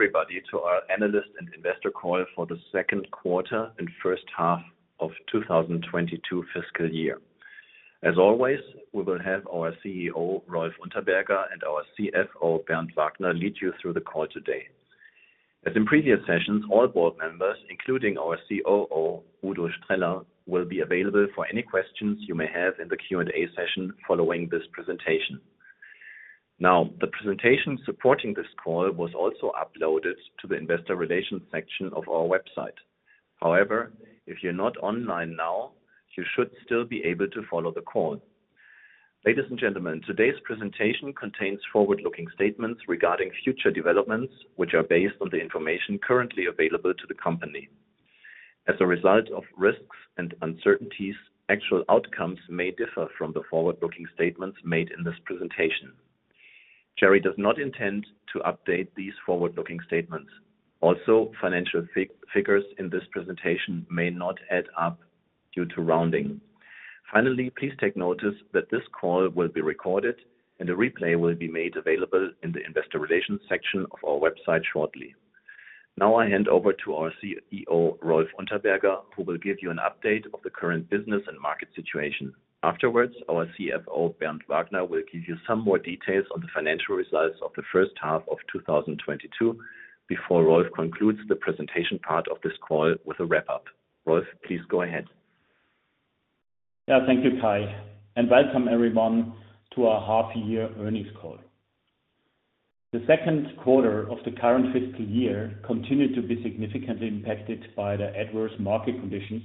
Welcome to our analyst and investor call for the second quarter and first half of 2022 fiscal year. As always, we will have our CEO, Rolf Unterberger, and our CFO, Bernd Wagner, lead you through the call today. As in previous sessions, all board members, including our COO, Udo Streller, will be available for any questions you may have in the Q&A session following this presentation. Now, the presentation supporting this call was also uploaded to the investor relations section of our website. However, if you're not online now, you should still be able to follow the call. Ladies and gentlemen, today's presentation contains forward-looking statements regarding future developments, which are based on the information currently available to the company. As a result of risks and uncertainties, actual outcomes may differ from the forward-looking statements made in this presentation. Cherry does not intend to update these forward-looking statements. Also, financial figures in this presentation may not add up due to rounding. Finally, please take notice that this call will be recorded and a replay will be made available in the investor relations section of our website shortly. Now I hand over to our CEO, Rolf Unterberger, who will give you an update of the current business and market situation. Afterwards, our CFO, Bernd Wagner, will give you some more details on the financial results of the first half of 2022, before Rolf concludes the presentation part of this call with a wrap up. Rolf, please go ahead. Yeah. Thank you, Kai, and welcome everyone to our half year earnings call. The second quarter of the current fiscal year continued to be significantly impacted by the adverse market conditions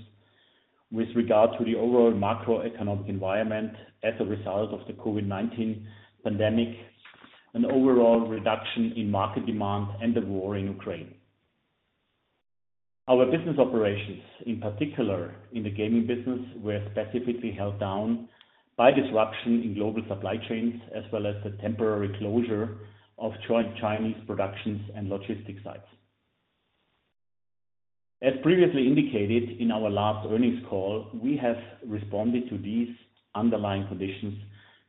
with regard to the overall macroeconomic environment as a result of the COVID-19 pandemic, an overall reduction in market demand and the war in Ukraine. Our business operations, in particular in the gaming business, were specifically held down by disruption in global supply chains, as well as the temporary closure of joint Chinese productions and logistics sites. As previously indicated in our last earnings call, we have responded to these underlying conditions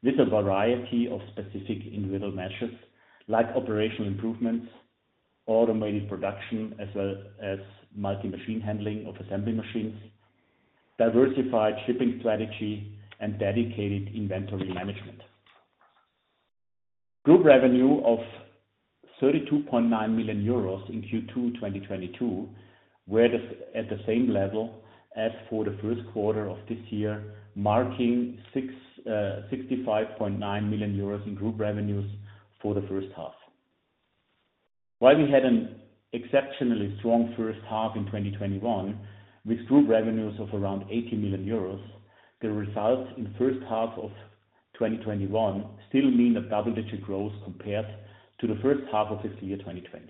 with a variety of specific individual measures like operational improvements, automated production, as well as multi-machine handling of assembly machines, diversified shipping strategy, and dedicated inventory management. Group revenue of 32.9 million euros in Q2 2022 was at the same level as for the first quarter of this year, marking 65.9 million euros in group revenues for the first half. While we had an exceptionally strong first half in 2021, with group revenues of around 80 million euros, the results in the first half of 2021 still mean a double-digit growth compared to the first half of the year 2020.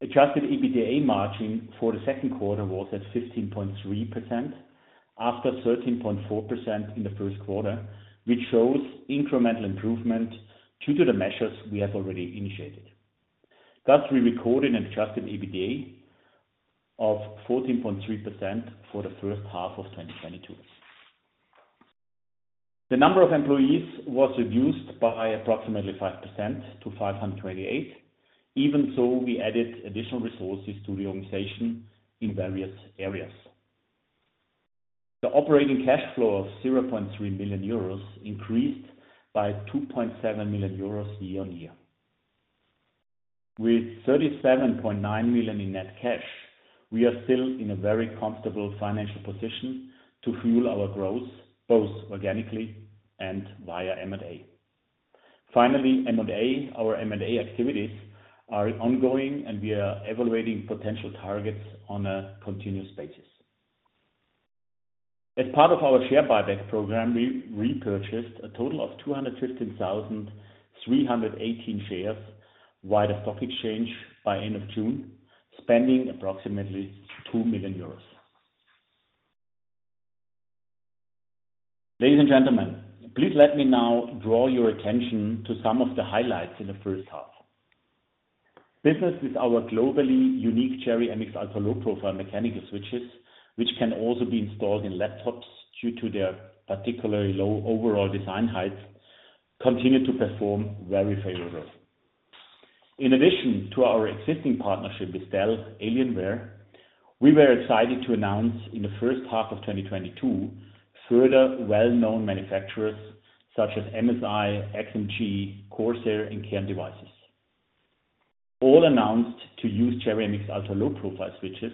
Adjusted EBITDA margin for the second quarter was at 15.3% after 13.4% in the first quarter, which shows incremental improvement due to the measures we have already initiated. Thus, we recorded an adjusted EBITDA of 14.3% for the first half of 2022. The number of employees was reduced by approximately 5% to 528. Even so, we added additional resources to the organization in various areas. The operating cash flow of 0.3 million euros increased by 2.7 million euros year-over-year. With 37.9 million in net cash, we are still in a very comfortable financial position to fuel our growth, both organically and via M&A. Finally, M&A. Our M&A activities are ongoing and we are evaluating potential targets on a continuous basis. As part of our share buyback program, we repurchased a total of 215,318 shares via the stock exchange by end of June, spending approximately EUR 2 million. Ladies and gentlemen, please let me now draw your attention to some of the highlights in the first half. Business with our globally unique Cherry MX Ultra Low Profile mechanical switches, which can also be installed in laptops due to their particularly low overall design height, continued to perform very favorably. In addition to our existing partnership with Dell Alienware, we were excited to announce in the first half of 2022 further well-known manufacturers such as MSI, XMG, and Corsair. All announced to use Cherry MX Ultra Low Profile switches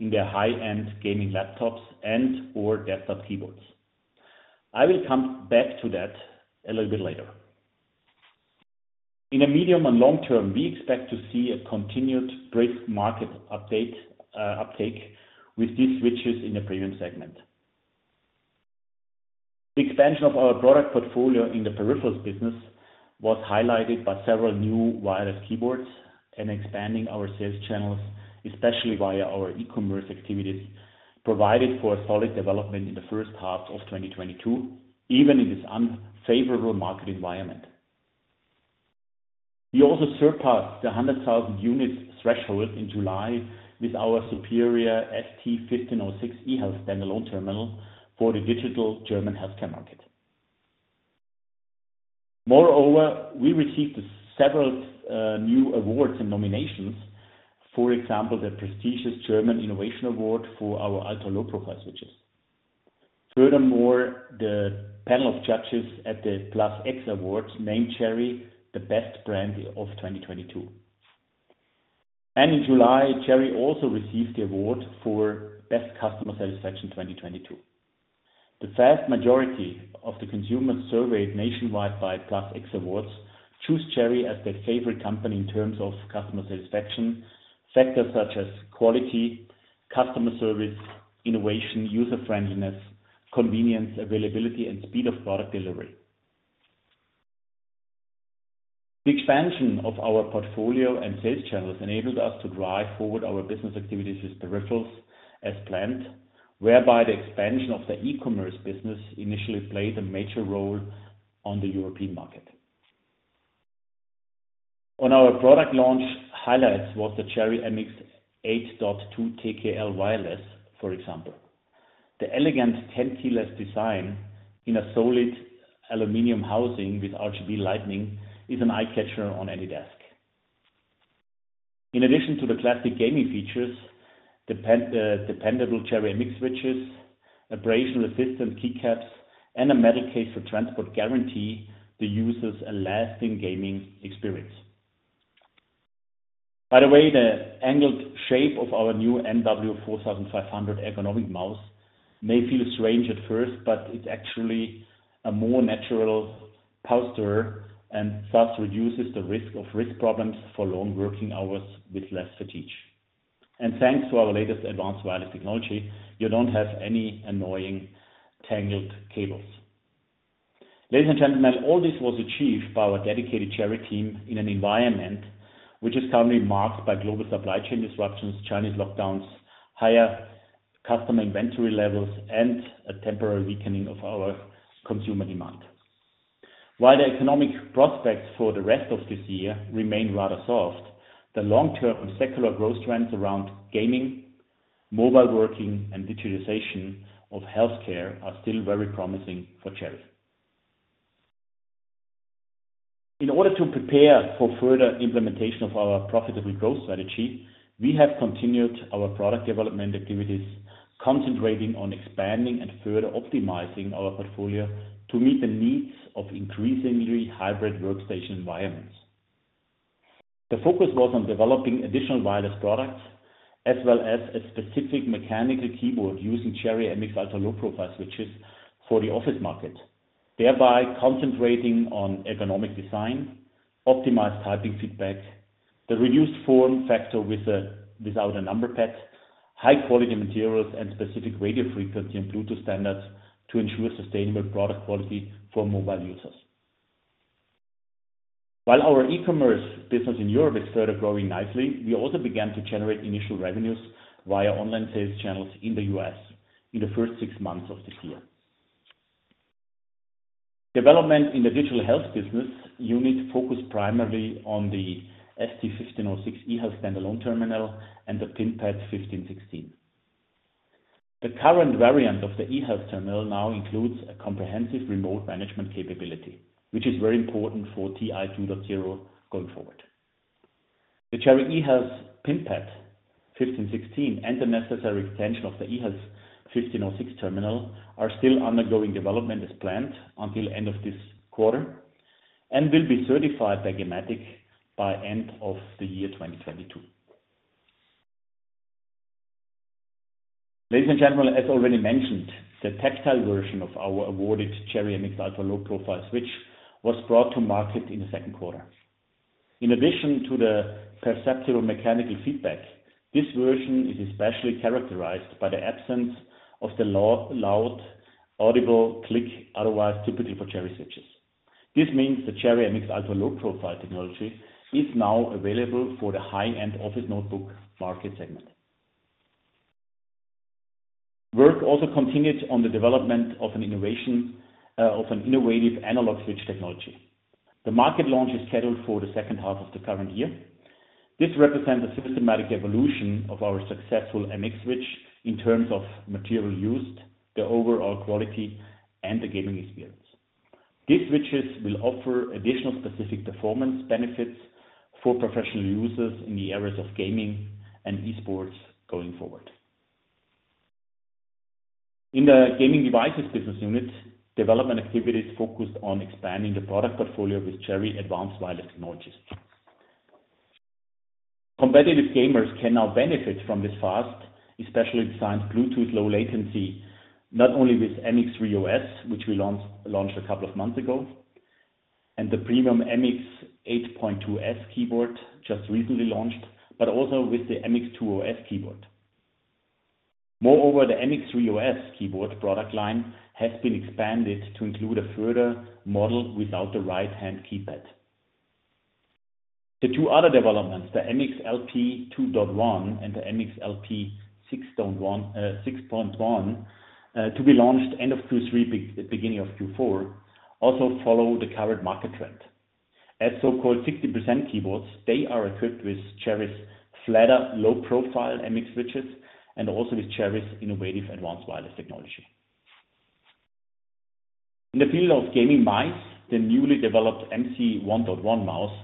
in their high-end gaming laptops and or desktop keyboards. I will come back to that a little bit later. In the medium and long term, we expect to see a continued brisk market uptake with these switches in the premium segment. The expansion of our product portfolio in the peripherals business was highlighted by several new wireless keyboards and expanding our sales channels, especially via our e-commerce activities, provided for a solid development in the first half of 2022, even in this unfavorable market environment. We also surpassed the 100,000 units threshold in July with our superior ST-1506 eHealth standalone terminal for the digital German healthcare market. Moreover, we received several new awards and nominations. For example, the prestigious German Innovation Award for our CHERRY MX Ultra Low Profile switches. Furthermore, the panel of judges at the Plus X Awards named Cherry the best brand of 2022. In July, Cherry also received the award for best customer satisfaction 2022. The vast majority of the consumer surveys nationwide by Plus X Awards choose Cherry as their favorite company in terms of customer satisfaction. Factors such as quality, customer service, innovation, user-friendliness, convenience, availability, and speed of product delivery. The expansion of our portfolio and sales channels enabled us to drive forward our business activities with peripherals as planned, whereby the expansion of the e-commerce business initially played a major role on the European market. One of our product launch highlights was the Cherry MX 8.2 TKL Wireless, for example. The elegant tenkeyless design in a solid aluminum housing with RGB lighting is an eye-catcher on any desk. In addition to the classic gaming features, dependable Cherry MX switches, abrasion-resistant keycaps, and a metal case for transport guarantee the users a lasting gaming experience. By the way, the angled shape of our new MW 4500 ergonomic mouse may feel strange at first, but it's actually a more natural posture and thus reduces the risk of wrist problems for long working hours with less fatigue. Thanks to our latest advanced wireless technology, you don't have any annoying tangled cables. Ladies and gentlemen, all this was achieved by our dedicated Cherry team in an environment which is currently marked by global supply chain disruptions, Chinese lockdowns, higher customer inventory levels, and a temporary weakening of our consumer demand. While the economic prospects for the rest of this year remain rather soft, the long-term and secular growth trends around gaming, mobile working, and digitization of healthcare are still very promising for Cherry. In order to prepare for further implementation of our profitable growth strategy, we have continued our product development activities, concentrating on expanding and further optimizing our portfolio to meet the needs of increasingly hybrid workstation environments. The focus was on developing additional wireless products as well as a specific mechanical keyboard using Cherry MX Ultra Low Profile switches for the office market, thereby concentrating on ergonomic design, optimized typing feedback, the reduced form factor without a number pad, high quality materials, and specific radio frequency and Bluetooth standards to ensure sustainable product quality for mobile users. While our e-commerce business in Europe is further growing nicely, we also began to generate initial revenues via online sales channels in the U.S. in the first six months of this year. Development in the digital health business unit focuses primarily on the ST-1506 eHealth standalone terminal and the PP-1516. The current variant of the eHealth terminal now includes a comprehensive remote management capability, which is very important for TI 2.0 going forward. The Cherry eHealth PP-1516 and the necessary extension of the eHealth 1506 terminal are still undergoing development as planned until end of this quarter and will be certified by Gematik by end of the year 2022. Ladies and gentlemen, as already mentioned, the tactile version of our awarded Cherry MX Ultra Low Profile switch was brought to market in the second quarter. In addition to the perceptual mechanical feedback, this version is especially characterized by the absence of the loud audible click, otherwise typically for Cherry switches. This means the Cherry MX Ultra Low Profile technology is now available for the high-end office notebook market segment. Work also continued on the development of an innovative analog switch technology. The market launch is scheduled for the second half of the current year. This represents a systematic evolution of our successful MX switch in terms of material used, the overall quality, and the gaming experience. These switches will offer additional specific performance benefits for professional users in the areas of gaming and esports going forward. In the gaming devices business unit, development activities focused on expanding the product portfolio with Cherry advanced wireless technologies. Competitive gamers can now benefit from this fast, especially designed Bluetooth low latency, not only with MX 3.0S, which we launched a couple of months ago, and the premium MX 8.2S keyboard just recently launched, but also with the MX 2.0S keyboard. Moreover, the MX 3.0S keyboard product line has been expanded to include a further model without the right-hand keypad. The two other developments, the MX LP 2.1 and the MX LP 6.1, to be launched end of Q3, beginning of Q4, also follow the current market trend. As so-called 60% keyboards, they are equipped with Cherry's flatter, low-profile MX switches and also with Cherry's innovative advanced wireless technology. In the field of gaming mice, the newly developed MC 1.1 mouse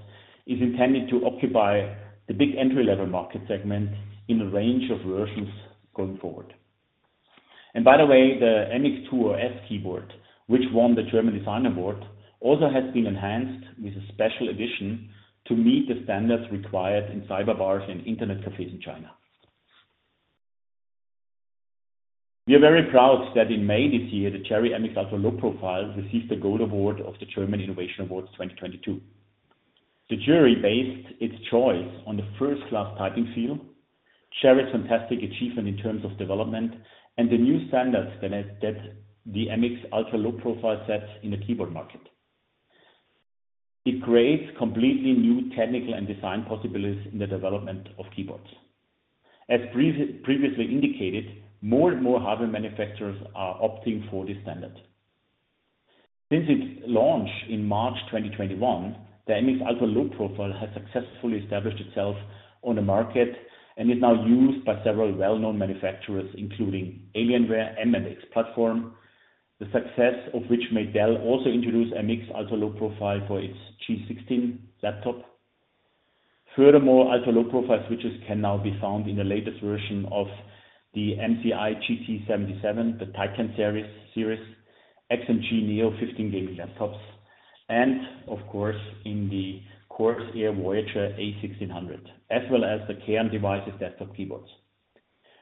is intended to occupy the big entry-level market segment in a range of versions going forward. By the way, the MX 2.0S keyboard, which won the German Design Award, also has been enhanced with a special edition to meet the standards required in cyber bars and internet cafes in China. We are very proud that in May this year, the Cherry MX Ultra Low Profile received the Gold Award of the German Innovation Award 2022. The jury based its choice on the first-class typing feel, Cherry's fantastic achievement in terms of development, and the new standards that the MX Ultra Low Profile sets in the keyboard market. It creates completely new technical and design possibilities in the development of keyboards. As previously indicated, more and more hardware manufacturers are opting for this standard. Since its launch in March 2021, the MX Ultra Low Profile has successfully established itself on the market and is now used by several well-known manufacturers, including Alienware M and X series, the success of which made Dell also introduce a MX Ultra Low Profile for its G16 laptop. Furthermore, Ultra Low Profile switches can now be found in the latest version of the MSI Titan GT77, the Titan GT Series, XMG NEO 15 gaming laptops, and of course, in the Corsair Voyager a1600, as well as the KM devices desktop keyboards.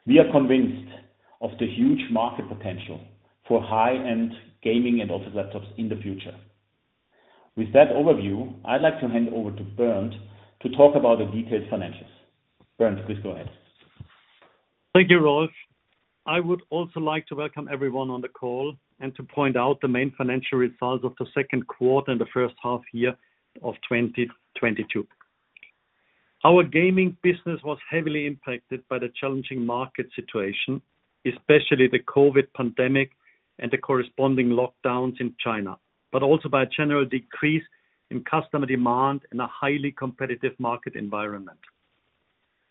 We are convinced of the huge market potential for high-end gaming and also laptops in the future. With that overview, I'd like to hand over to Bernd to talk about the detailed financials. Bernd, please go ahead. Thank you, Rolf. I would also like to welcome everyone on the call and to point out the main financial results of the second quarter and the first half year of 2022. Our gaming business was heavily impacted by the challenging market situation, especially the COVID pandemic and the corresponding lockdowns in China, but also by a general decrease in customer demand in a highly competitive market environment.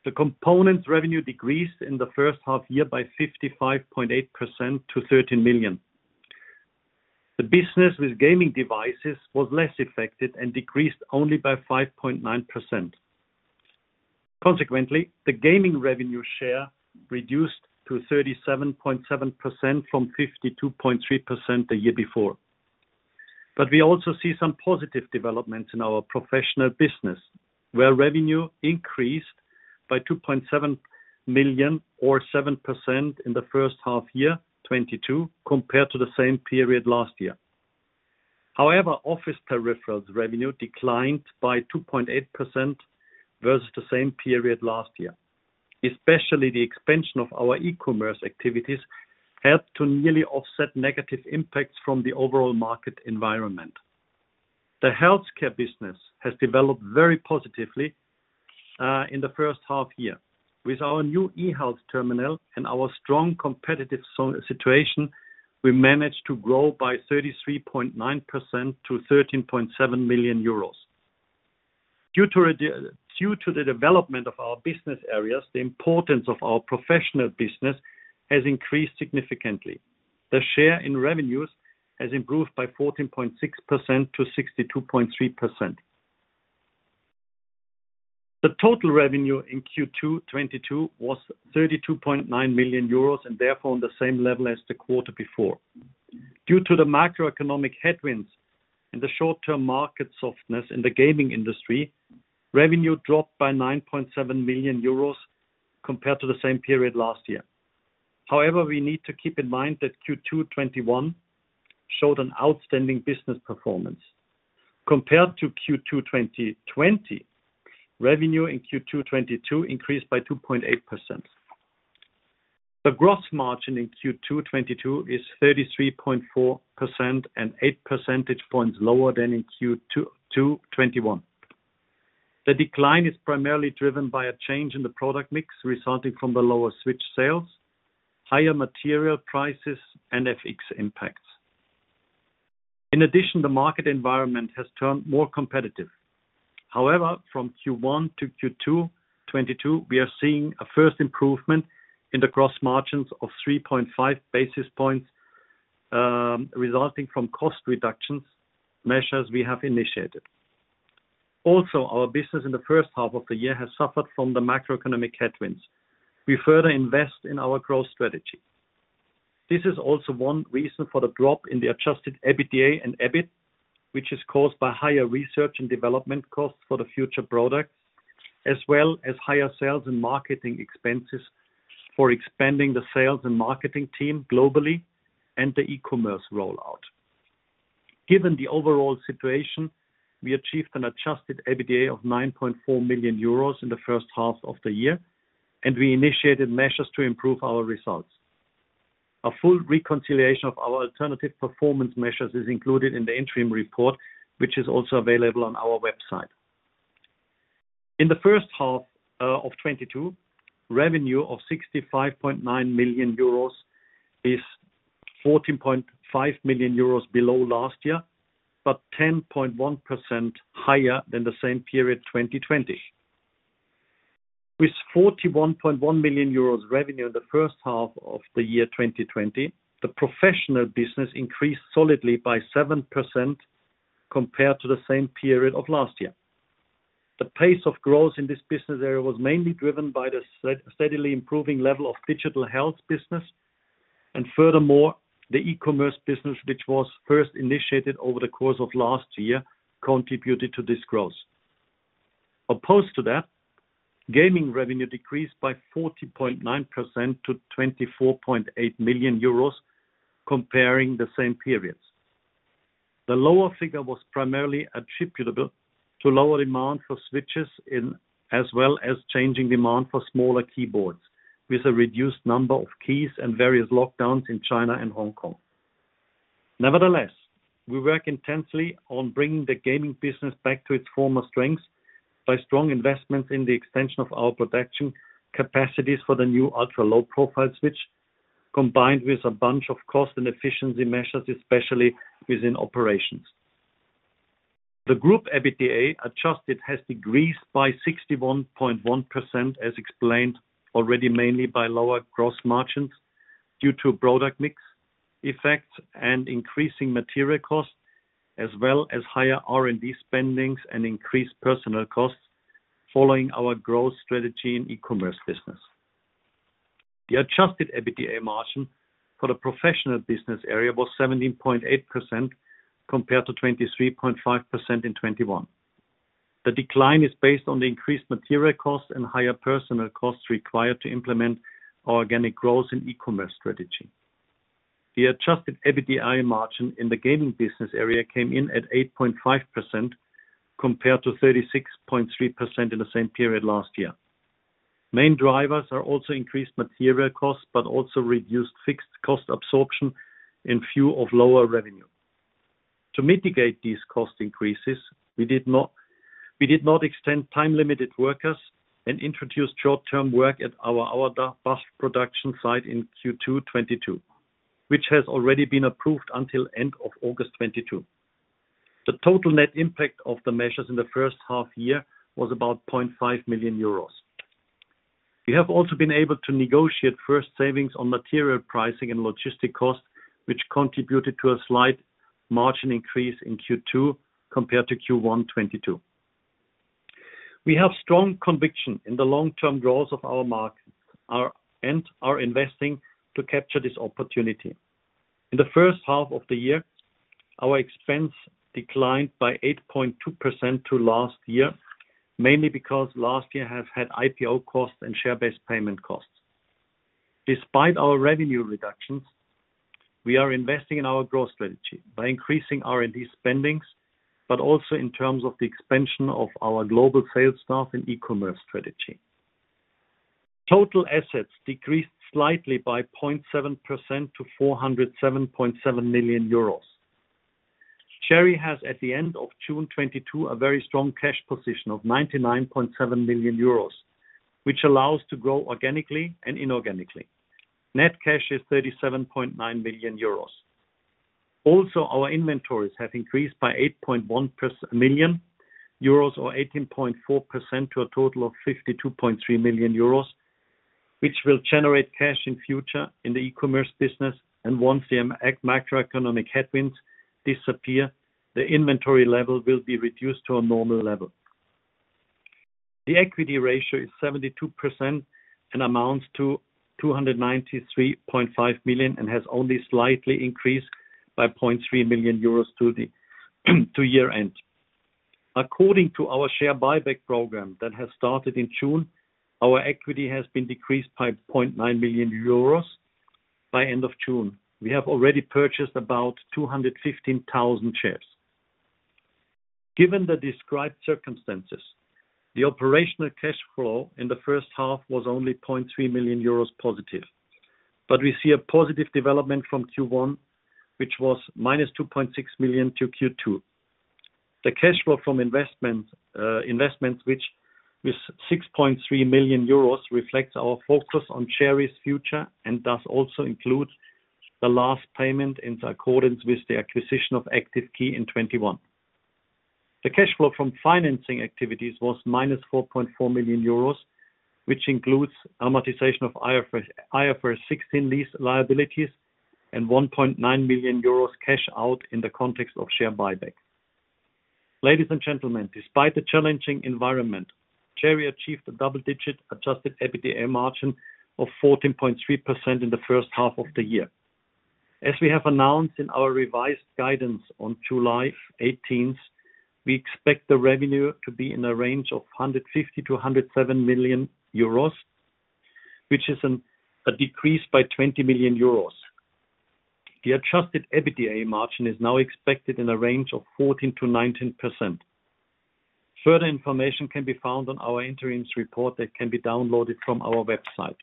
The components revenue decreased in the first half year by 55.8% to 13 million. The business with gaming devices was less affected and decreased only by 5.9%. Consequently, the gaming revenue share reduced to 37.7% from 52.3% the year before. We also see some positive developments in our professional business, where revenue increased by 2.7 million or 7% in the first half year 2022 compared to the same period last year. However, office peripherals revenue declined by 2.8% versus the same period last year. Especially the expansion of our e-commerce activities helped to nearly offset negative impacts from the overall market environment. The healthcare business has developed very positively in the first half year. With our new eHealth terminal and our strong competitive situation, we managed to grow by 33.9% to 13.7 million euros. Due to the development of our business areas, the importance of our professional business has increased significantly. The share in revenues has improved by 14.6% to 62.3%. The total revenue in Q2 2022 was 32.9 million euros and therefore on the same level as the quarter before. Due to the macroeconomic headwinds and the short-term market softness in the gaming industry, revenue dropped by 9.7 million euros compared to the same period last year. However, we need to keep in mind that Q2 2021 showed an outstanding business performance. Compared to Q2 2020, revenue in Q2 2022 increased by 2.8%. The gross margin in Q2 2022 is 33.4% and 8 percentage points lower than in Q2 2021. The decline is primarily driven by a change in the product mix resulting from the lower switch sales, higher material prices, and FX impacts. In addition, the market environment has turned more competitive. However, from Q1 to Q2 2022, we are seeing a first improvement in the gross margins of 3.5 basis points, resulting from cost reduction measures we have initiated. Our business in the first half of the year has suffered from the macroeconomic headwinds. We further invest in our growth strategy. This is also one reason for the drop in the adjusted EBITDA and EBIT, which is caused by higher research and development costs for the future products, as well as higher sales and marketing expenses for expanding the sales and marketing team globally and the e-commerce rollout. Given the overall situation, we achieved an adjusted EBITDA of 9.4 million euros in the first half of the year, and we initiated measures to improve our results. A full reconciliation of our alternative performance measures is included in the interim report, which is also available on our website. In the first half of 2022, revenue of 65.9 million euros is 14.5 million euros below last year, but 10.1% higher than the same period 2020. With 41.1 million euros revenue in the first half of the year 2020, the professional business increased solidly by 7% compared to the same period of last year. The pace of growth in this business area was mainly driven by the steadily improving level of digital health business. Furthermore, the e-commerce business, which was first initiated over the course of last year, contributed to this growth. Opposed to that, gaming revenue decreased by 40.9% to 24.8 million euros comparing the same periods. The lower figure was primarily attributable to lower demand for switches in Asia as well as changing demand for smaller keyboards with a reduced number of keys and various lockdowns in China and Hong Kong. Nevertheless, we work intensely on bringing the gaming business back to its former strengths by strong investments in the extension of our production capacities for the new ultra-low profile switch, combined with a bunch of cost and efficiency measures, especially within operations. The group EBITDA adjusted has decreased by 61.1%, as explained already mainly by lower gross margins due to product mix effects and increasing material costs as well as higher R&D spending and increased personnel costs following our growth strategy in e-commerce business. The adjusted EBITDA margin for the professional business area was 17.8% compared to 23.5% in 2021. The decline is based on the increased material costs and higher personnel costs required to implement organic growth in e-commerce strategy. The adjusted EBITDA margin in the gaming business area came in at 8.5% compared to 36.3% in the same period last year. Main drivers are also increased material costs, but also reduced fixed cost absorption in view of lower revenue. To mitigate these cost increases, we did not extend time-limited workers and introduced short-term work at our Auerbach production site in Q2 2022, which has already been approved until end of August 2022. The total net impact of the measures in the first half year was about 0.5 million euros. We have also been able to negotiate first savings on material pricing and logistics costs, which contributed to a slight margin increase in Q2 compared to Q1 2022. We have strong conviction in the long-term growth of our market area, and are investing to capture this opportunity. In the first half of the year, our expenses declined by 8.2% from last year, mainly because last year had IPO costs and share-based payment costs. Despite our revenue reductions, we are investing in our growth strategy by increasing R&D spending, but also in terms of the expansion of our global sales staff and e-commerce strategy. Total assets decreased slightly by 0.7% to 407.7 million euros. Cherry has, at the end of June 2022, a very strong cash position of 99.7 million euros, which allows to grow organically and inorganically. Net cash is 37.9 million euros. Our inventories have increased by 8.1 million euros or 18.4% to a total of 52.3 million euros, which will generate cash in future in the e-commerce business. Once the macroeconomic headwinds disappear, the inventory level will be reduced to a normal level. The equity ratio is 72% and amounts to 293.5 million, and has only slightly increased by 0.3 million euros to year-end. According to our share buyback program that has started in June, our equity has been decreased by 0.9 million euros by end of June. We have already purchased about 215,000 shares. Given the described circumstances, the operational cash flow in the first half was only 0.3 million euros+. We see a positive development from Q1, which was -2.6 million to Q2. The cash flow from investments which, with 6.3 million euros reflects our focus on Cherry's future and thus also includes the last payment in accordance with the acquisition of Active Key in 2021. The cash flow from financing activities was -4.4 million euros, which includes amortization of IFRS 16 and lease liabilities and 1.9 million euros cash out in the context of share buyback. Ladies and gentlemen, despite the challenging environment, Cherry achieved a double-digit adjusted EBITDA margin of 14.3% in the first half of the year. As we have announced in our revised guidance on July eighteenth, we expect the revenue to be in a range of 150 million-170 million euros, which is a decrease by 20 million euros. The adjusted EBITDA margin is now expected in a range of 14%-19%. Further information can be found on our interim report that can be downloaded from our website.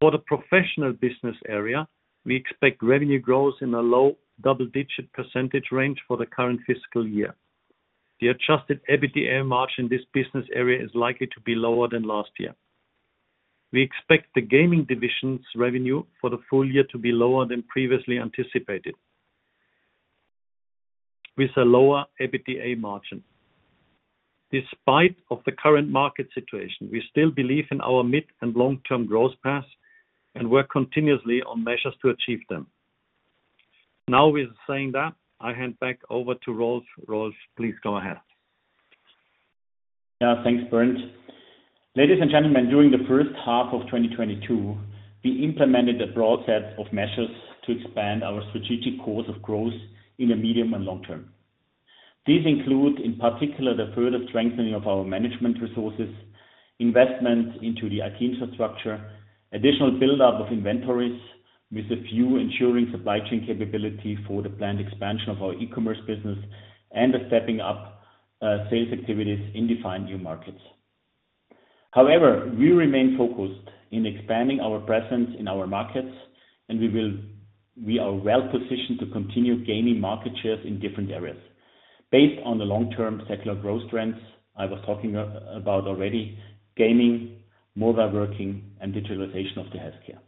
For the professional business area, we expect revenue growth in a low double-digit percentage range for the current fiscal year. The adjusted EBITDA margin in this business area is likely to be lower than last year. We expect the gaming division's revenue for the full year to be lower than previously anticipated, with a lower EBITDA margin. Despite the current market situation, we still believe in our mid and long-term growth paths and work continuously on measures to achieve them. Now, with that said, I hand back over to Rolf. Rolf, please go ahead. Yeah. Thanks, Bernd. Ladies and gentlemen, during the first half of 2022, we implemented a broad set of measures to expand our strategic course of growth in the medium and long term. These include, in particular, the further strengthening of our management resources, investment into the IT infrastructure, additional build-up of inventories with a few ensuring supply chain capability for the planned expansion of our e-commerce business, and the stepping up sales activities in defined new markets. However, we remain focused in expanding our presence in our markets, and we are well-positioned to continue gaining market shares in different areas. Based on the long-term secular growth trends I was talking about already, gaming, mobile working, and digitalization of the healthcare.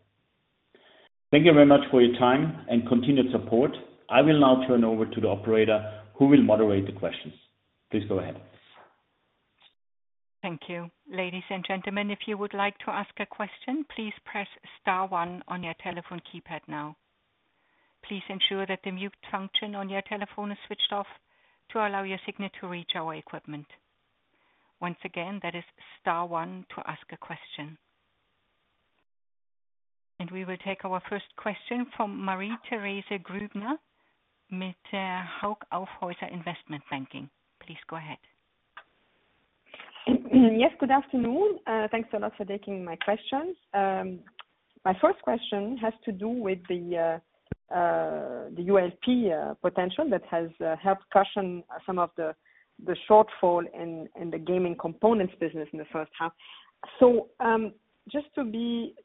Thank you very much for your time and continued support. I will now turn over to the operator, who will moderate the questions. Please go ahead. Thank you. Ladies and gentlemen, if you would like to ask a question, please press star one on your telephone keypad now. Please ensure that the mute function on your telephone is switched off to allow your signal to reach our equipment. Once again, that is star one to ask a question. We will take our first question from Marie-Thérèse Grübner with Hauck Aufhäuser Investment Banking. Please go ahead. Yes, good afternoon. Thanks a lot for taking my questions. My first question has to do with the ULP potential that has helped cushion some of the shortfall in the gaming components business in the first half. Just to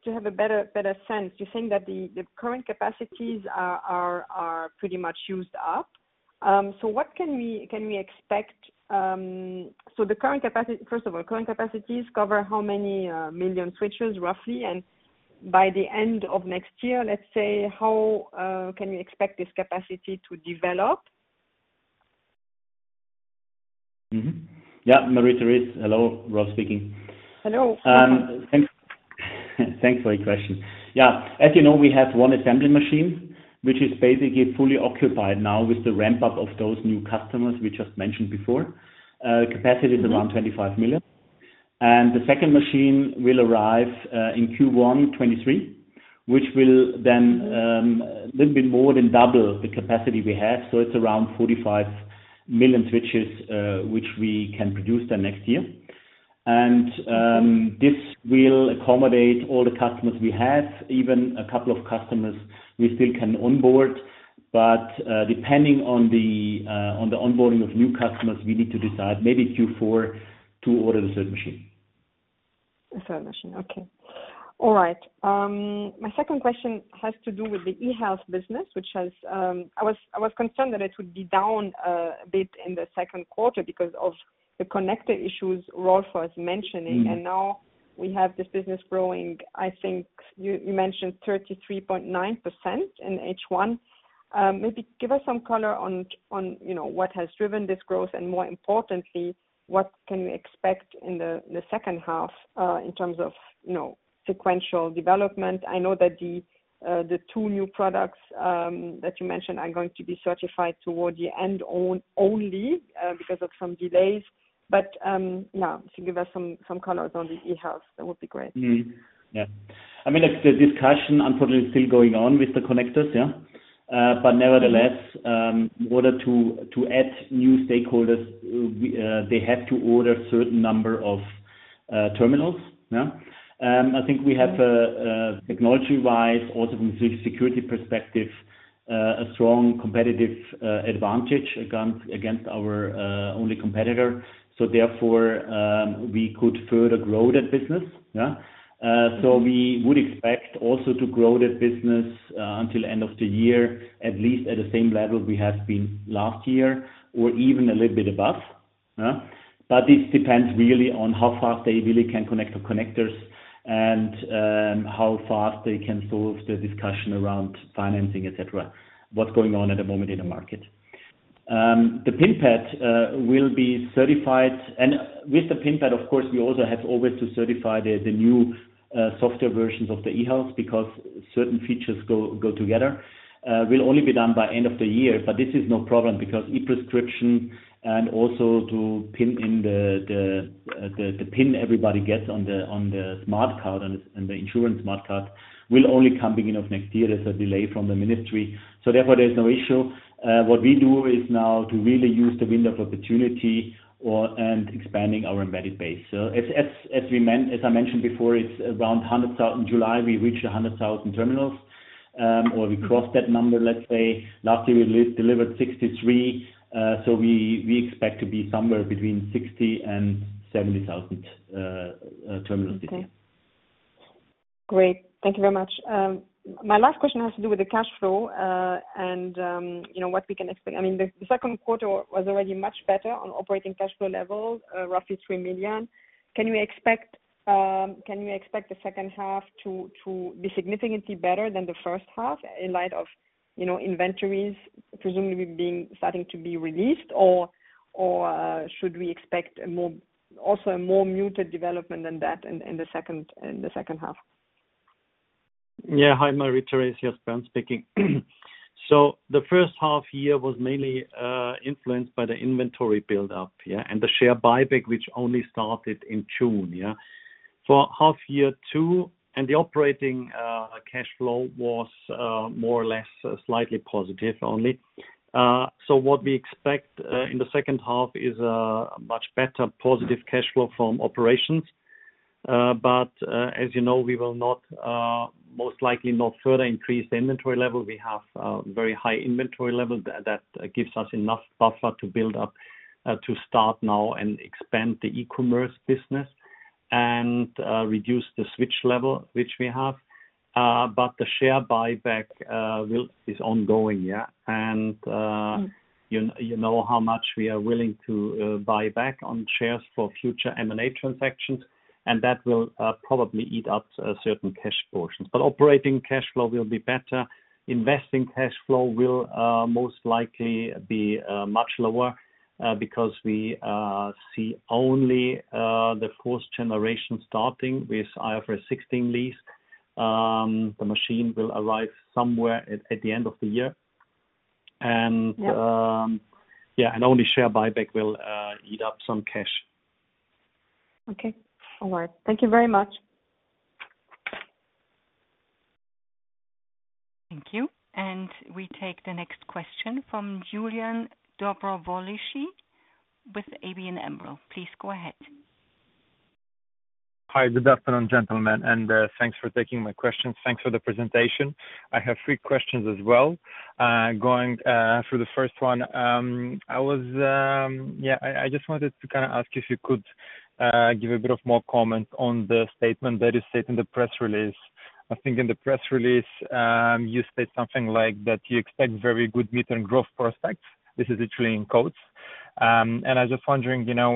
have a better sense, you're saying that the current capacities are pretty much used up. What can we expect? First of all, current capacities cover how many million switches, roughly? And by the end of next year, let's say, how can we expect this capacity to develop? Mm-hmm. Yeah. Marie-Thérèse, hello. Rolf speaking. Hello. Thanks for your question. Yeah. As you know, we have one assembly machine, which is basically fully occupied now with the ramp-up of those new customers we just mentioned before. Capacity is around 25 million. The second machine will arrive in Q1 2023, which will then a little bit more than double the capacity we have. It's around 45 million switches, which we can produce then next year. This will accommodate all the customers we have, even a couple of customers we still can onboard. Depending on the onboarding of new customers, we need to decide maybe Q4 to order the third machine. The third machine. Okay. All right. My second question has to do with the eHealth business. I was concerned that it would be down a bit in the second quarter because of the connector issues Rolf was mentioning. Mm-hmm. Now we have this business growing. I think you mentioned 33.9% in H1. Maybe give us some color on, you know, what has driven this growth, and more importantly, what can we expect in the second half in terms of, you know, sequential development. I know that the two new products that you mentioned are going to be certified toward the end only because of some delays. If you give us some colors on the eHealth, that would be great. Yeah. I mean, it's the discussion unfortunately still going on with the connectors, yeah. But nevertheless, in order to add new stakeholders, they have to order certain number of terminals, yeah. I think we have technology-wise, also from security perspective, a strong competitive advantage against our only competitor. Therefore, we could further grow that business, yeah. We would expect also to grow that business until end of the year, at least at the same level we have been last year or even a little bit above. Yeah. This depends really on how fast they really can connect the connectors and how fast they can solve the discussion around financing, et cetera. What's going on at the moment in the market. The PIN pad will be certified. With the PIN pad, of course, we also have always to certify the new software versions of the eHealth because certain features go together. It will only be done by end of the year, but this is no problem because e-prescription and also to PIN in the PIN everybody gets on the smart card, the insurance smart card, will only come beginning of next year. There's a delay from the ministry. Therefore, there's no issue. What we do is now to really use the window of opportunity and expanding our embedded base. As I mentioned before, it's around 100,000. In July, we reached 100,000 terminals, or we crossed that number, let's say. Last year we delivered 63,000. We expect to be somewhere between 60,000 and 70,000 terminals this year. Great. Thank you very much. My last question has to do with the cash flow, and you know, what we can expect. I mean, the second quarter was already much better on operating cash flow levels, roughly 3 million. Can we expect the second half to be significantly better than the first half in light of you know, inventories presumably starting to be released or should we expect a more muted development than that in the second half? Hi, Marie-Thérèse. Yes, Bernd speaking. The first half year was mainly influenced by the inventory buildup and the share buyback, which only started in June. For the second half year, the operating cash flow was more or less slightly positive only. What we expect in the second half is much better positive cash flow from operations. But as you know, we will most likely not further increase the inventory level. We have very high inventory level that gives us enough buffer to build up, to start now and expand the e-commerce business and reduce the switch level which we have. But the share buyback is ongoing. Mm-hmm. You know how much we are willing to buy back on shares for future M&A transactions, and that will probably eat up certain cash portions. Operating cash flow will be better. Investing cash flow will most likely be much lower because we see only the fourth generation starting with IFRS 16 lease. The machine will arrive somewhere at the end of the year. Yeah. Yeah, only share buyback will eat up some cash. Okay. All right. Thank you very much. Thank you. We take the next question from Julian Dobrovolschi with ABN AMRO. Please go ahead. Hi. Good afternoon, gentlemen. Thanks for taking my questions. Thanks for the presentation. I have three questions as well. For the first one, I just wanted to kind of ask you if you could give a bit more comment on the statement that is said in the press release. I think in the press release, you said something like that you expect very good mid-term growth prospects. This is literally in quotes. I was just wondering, you know,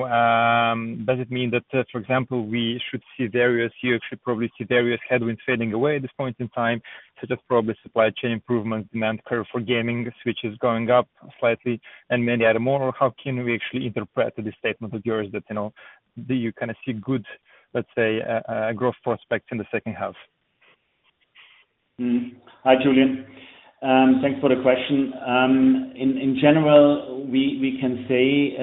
does it mean that, for example, you should probably see various headwinds fading away at this point in time, such as probably supply chain improvement, demand curve for gaming switches going up slightly and many other more. How can we actually interpret the statement of yours that, you know, do you kind of see good, let's say, growth prospects in the second half? Hi, Julian. Thanks for the question. In general, we can say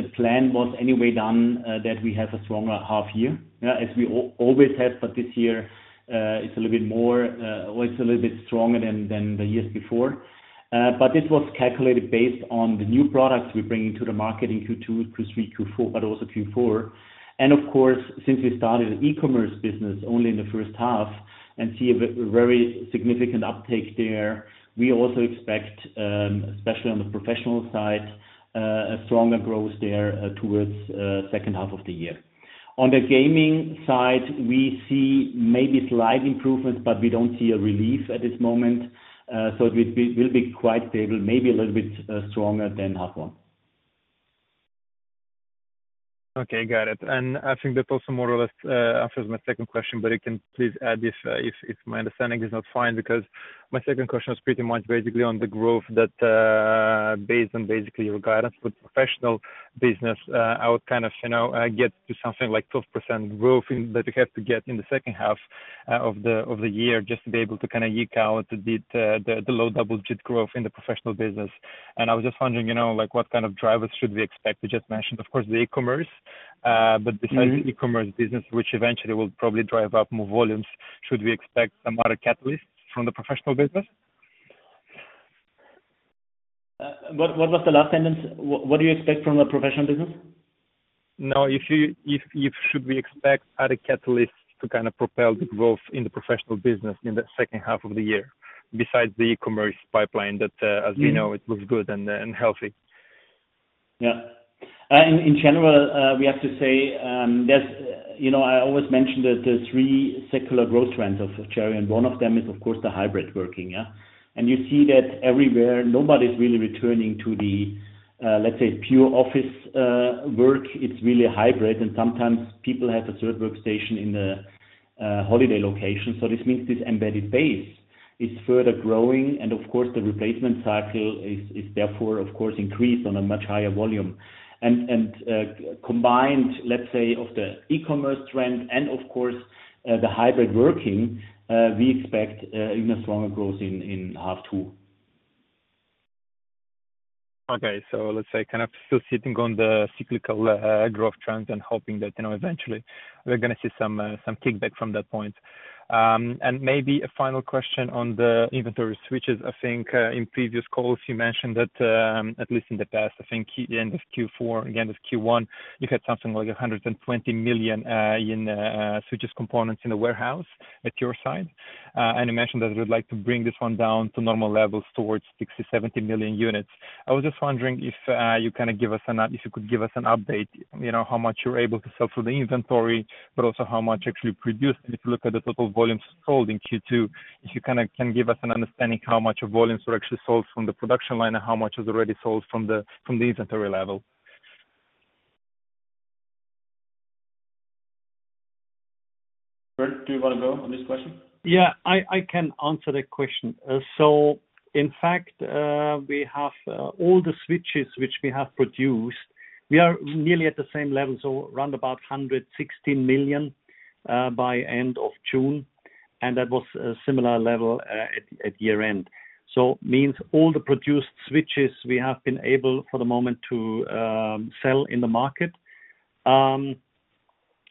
the plan was anyway done that we have a stronger half year, yeah, as we always had. This year, it's a little bit more, or it's a little bit stronger than the years before. This was calculated based on the new products we bring into the market in Q2, Q3, Q4. Of course, since we started an e-commerce business only in the first half and see a very significant uptake there, we also expect, especially on the professional side, a stronger growth there, towards second half of the year. On the gaming side, we see maybe slight improvements, but we don't see a relief at this moment. It will be quite stable, maybe a little bit stronger than half one. Okay. Got it. I think that also more or less answers my second question, but you can please add if my understanding is not fine. Because my second question was pretty much basically on the growth that, based on basically your guidance with professional business, I would kind of, you know, get to something like 12% growth that you have to get in the second half of the year just to be able to kind of eke out the low double digit growth in the professional business. I was just wondering, you know, like, what kind of drivers should we expect? You just mentioned, of course, the e-commerce. But besides Mm-hmm. The e-commerce business, which eventually will probably drive up more volumes, should we expect some other catalysts from the professional business? What was the last sentence? What do you expect from the professional business? No. Should we expect other catalysts to kind of propel the growth in the professional business in the second half of the year besides the e-commerce pipeline that? Mm-hmm. As we know, it looks good and healthy. Yeah. In general, we have to say, there's, you know, I always mention that there are three secular growth trends of Cherry, and one of them is of course the hybrid working, yeah. You see that everywhere. Nobody's really returning to the, let's say pure office work. It's really a hybrid. Sometimes people have a third workstation in the holiday location. This means this embedded base is further growing, and of course the replacement cycle is therefore of course increased on a much higher volume. Combined, let's say, of the e-commerce trend and of course the hybrid working, we expect even a stronger growth in half two. Okay. Let's say kind of still sitting on the cyclical growth trends and hoping that, you know, eventually we're gonna see some kickback from that point. Maybe a final question on the inventory switches. I think in previous calls you mentioned that at least in the past, I think end of Q4, end of Q1, you had something like 120 million in switches components in the warehouse at your side. You mentioned that you would like to bring this one down to normal levels towards 60 million-70 million units. I was just wondering if you could give us an update, you know, how much you're able to sell through the inventory, but also how much actually produced. If you look at the total volumes sold in Q2, if you kinda can give us an understanding how much of volumes were actually sold from the production line and how much was already sold from the inventory level. Do you wanna go on this question? I can answer that question. In fact, we have all the switches which we have produced, we are nearly at the same level, so around 160 million by end of June, and that was a similar level at year-end. That means all the produced switches we have been able for the moment to sell in the market.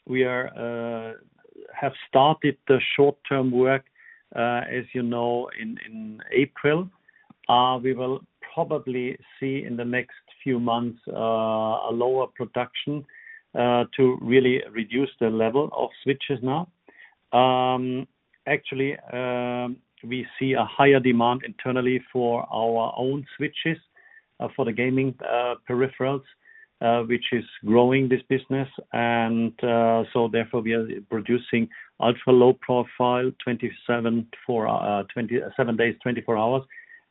We have started the short-time work, as you know, in April. We will probably see in the next few months a lower production to really reduce the level of switches now. Actually, we see a higher demand internally for our own switches for the gaming peripherals which is growing this business. Therefore we are producing Ultra Low Profile 27 for 27 days, 24 hours,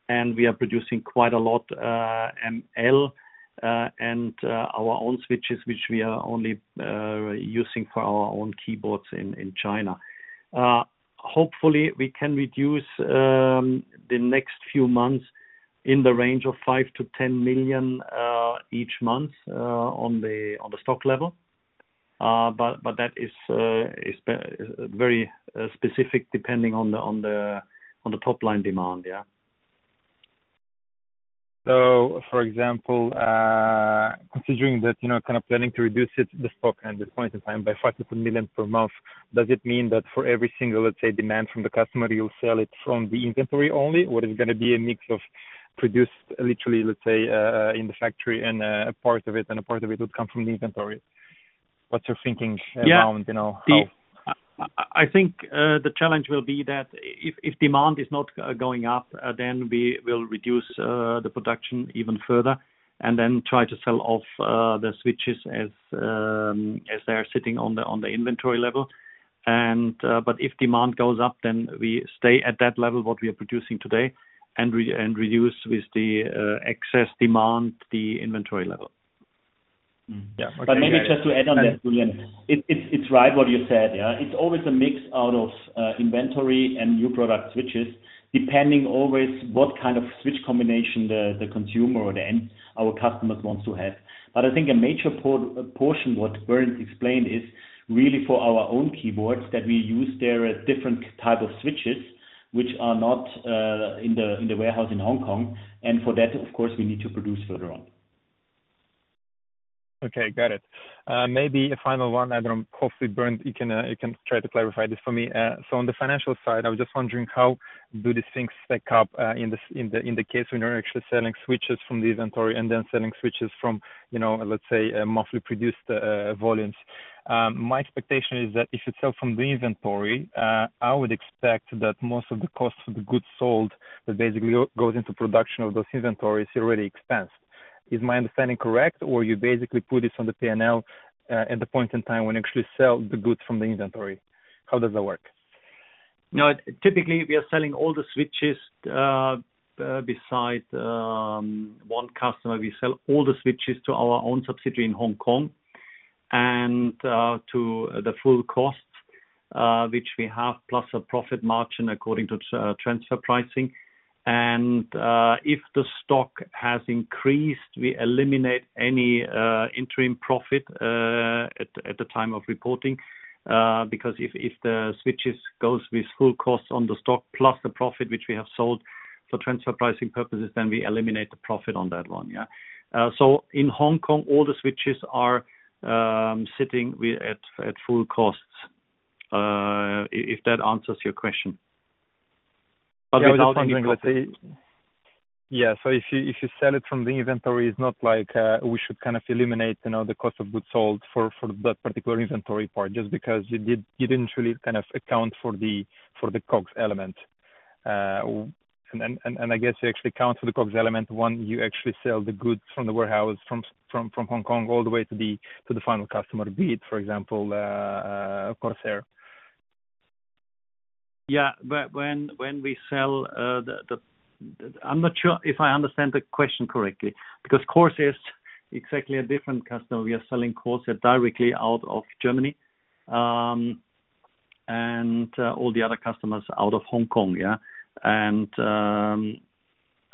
and we are producing quite a lot ML and our own switches which we are only using for our own keyboards in China. Hopefully, we can reduce the next few months in the range of 5 million-10 million each month on the stock level. That is very specific depending on the top line demand, yeah. For example, considering that, you know, kind of planning to reduce it, the stock at this point in time by 5 million-4 million per month, does it mean that for every single, let's say, demand from the customer, you'll sell it from the inventory only? Or it is gonna be a mix of produced, literally, let's say, in the factory and, a part of it, and a part of it would come from the inventory. What's your thinking? Yeah. Around, you know, how I think the challenge will be that if demand is not going up, then we will reduce the production even further and then try to sell off the switches as they are sitting on the inventory level. But if demand goes up, then we stay at that level what we are producing today, and reduce with the excess demand the inventory level. Yeah. Okay, got it. Maybe just to add on that, Julian. It's right what you said, yeah. It's always a mix out of inventory and new product switches, depending always what kind of switch combination the consumer or the end-user our customers wants to have. I think a major portion what Bernd explained is really for our own keyboards that we use their different type of switches which are not in the warehouse in Hong Kong. And for that, of course, we need to produce further on. Okay, got it. Maybe a final one, and then hopefully, Bernd, you can try to clarify this for me. So on the financial side, I was just wondering how do these things stack up in the case when you're actually selling switches from the inventory and then selling switches from, you know, let's say, monthly produced volumes. My expectation is that if you sell from the inventory, I would expect that most of the cost of the goods sold that basically goes into production of those inventories is already expensed. Is my understanding correct? Or you basically put this on the P&L at the point in time when you actually sell the goods from the inventory? How does that work? No. Typically, we are selling all the switches, besides one customer. We sell all the switches to our own subsidiary in Hong Kong and to the full costs which we have, plus a profit margin according to transfer pricing. If the stock has increased, we eliminate any interim profit at the time of reporting, because if the switches goes with full costs on the stock plus the profit which we have sold for transfer pricing purposes, then we eliminate the profit on that one, yeah. In Hong Kong, all the switches are sitting at full costs. If that answers your question. Without any profit- I was just wondering, let's say. If you sell it from the inventory, it's not like we should kind of eliminate, you know, the cost of goods sold for that particular inventory part, just because you didn't really kind of account for the COGS element. Then, I guess you actually account for the COGS element when you actually sell the goods from the warehouse from Hong Kong all the way to the final customer, be it, for example, Corsair. Yeah. When we sell, I'm not sure if I understand the question correctly, because Corsair is exactly a different customer. We are selling Corsair directly out of Germany, and all the other customers out of Hong Kong, yeah. I'm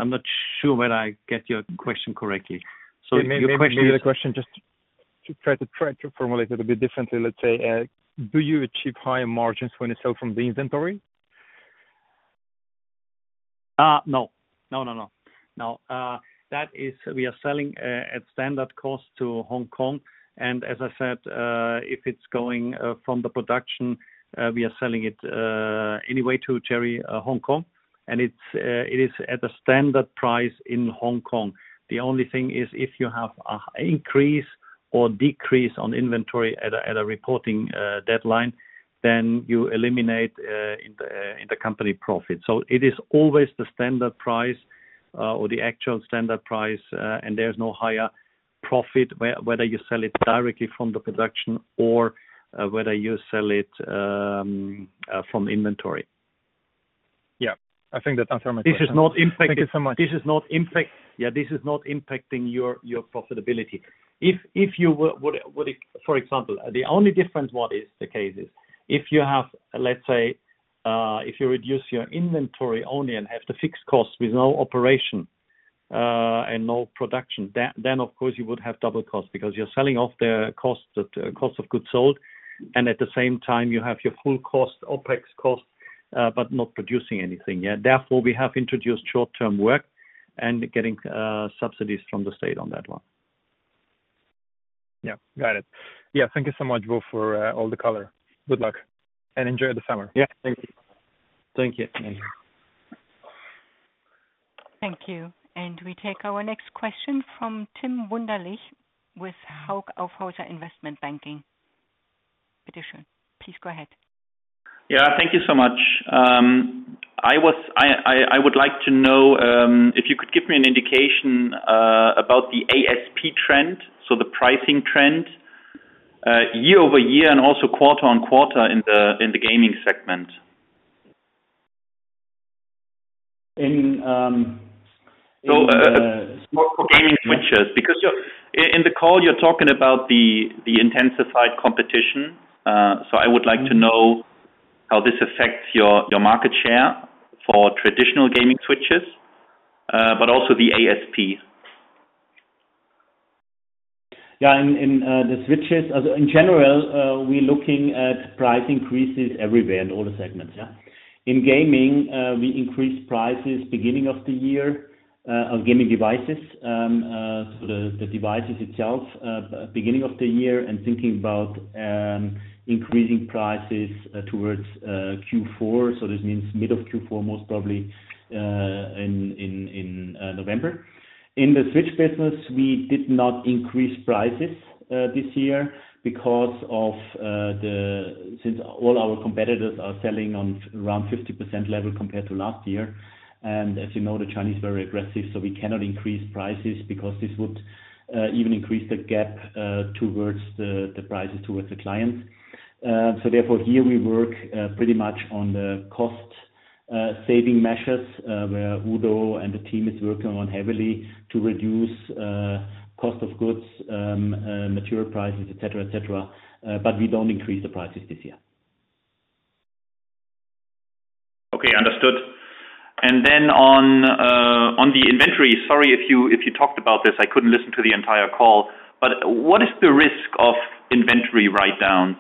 not sure whether I get your question correctly. Your question is- Maybe the question, just to try to formulate it a bit differently, let's say, do you achieve higher margins when you sell from the inventory? No. That is, we are selling at standard cost to Hong Kong, and as I said, if it's going from the production, we are selling it anyway to Cherry Hong Kong, and it is at the standard price in Hong Kong. The only thing is if you have an increase or decrease on inventory at a reporting deadline, then you eliminate in the company profit. It is always the standard price or the actual standard price, and there's no higher profit whether you sell it directly from the production or whether you sell it from inventory. Yeah, I think that answered my question. This is not impacting. Thank you so much. Yeah, this is not impacting your profitability. If you would, for example, the only difference what is the case is, if you have, let's say, if you reduce your inventory only and have the fixed cost with no operation and no production, then of course you would have double cost because you're selling off the cost of goods sold, and at the same time you have your full cost, OpEx cost, but not producing anything. Yeah. Therefore, we have introduced short-term work and getting subsidies from the state on that one. Yeah, got it. Yeah, thank you so much, Rolf, for all the color. Good luck and enjoy the summer. Yeah. Thank you. Thank you. Thank you. We take our next question from Tim Wunderlich with Hauck Aufhäuser Investment Banking. Please go ahead. Yeah, thank you so much. I would like to know if you could give me an indication about the ASP trend, so the pricing trend, year-over-year and also quarter-on-quarter in the gaming segment. In, um, in, uh- For gaming switches, because in the call you're talking about the intensified competition. I would like to know how this affects your market share for traditional gaming switches, but also the ASP. Yeah. In the switches, so in general, we're looking at price increases everywhere in all the segments, yeah. In gaming, we increased prices beginning of the year on gaming devices, so the devices itself beginning of the year and thinking about increasing prices towards Q4. This means mid of Q4, most probably, in November. In the switch business, we did not increase prices this year since all our competitors are selling on around 50% level compared to last year. As you know, the Chinese are very aggressive, so we cannot increase prices because this would even increase the gap towards the prices towards the clients. Therefore, here we work pretty much on the cost saving measures where Udo and the team is working on heavily to reduce cost of goods, material prices, et cetera, et cetera. We don't increase the prices this year. Okay, understood. On the inventory, sorry if you talked about this, I couldn't listen to the entire call, but what is the risk of inventory write-downs?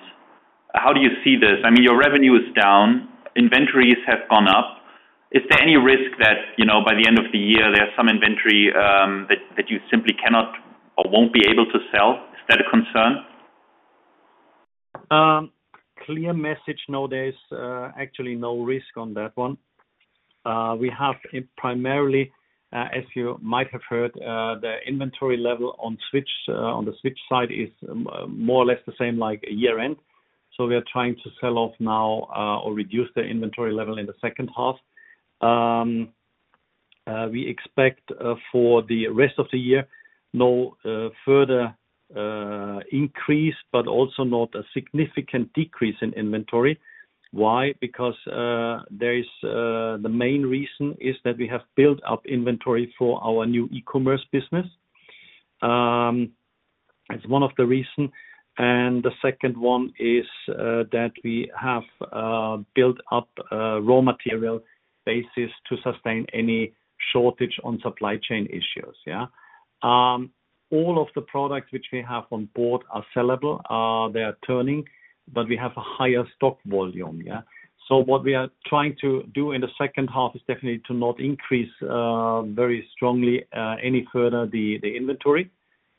How do you see this? I mean, your revenue is down, inventories have gone up. Is there any risk that, you know, by the end of the year, there's some inventory that you simply cannot or won't be able to sell? Is that a concern? Clear message. No, there is actually no risk on that one. We have it primarily, as you might have heard, the inventory level on switch, on the switch side is more or less the same like year-end. We are trying to sell off now, or reduce the inventory level in the second half. We expect, for the rest of the year, no further increase, but also not a significant decrease in inventory. Why? Because, there is the main reason is that we have built up inventory for our new e-commerce business. It's one of the reason. The second one is, that we have built up a raw material basis to sustain any shortage on supply chain issues. Yeah. All of the products which we have on board are sellable. They are turning, but we have a higher stock volume. Yeah. What we are trying to do in the second half is definitely to not increase very strongly any further the inventory.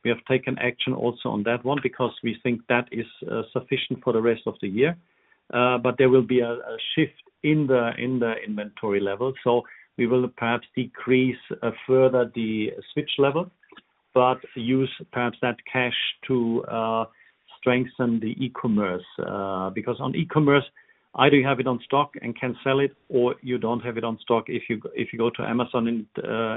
We have taken action also on that one because we think that is sufficient for the rest of the year. There will be a shift in the inventory level. We will perhaps decrease further the switch level, but use perhaps that cash to strengthen the e-commerce. Because on e-commerce, either you have it on stock and can sell it, or you don't have it on stock. If you go to Amazon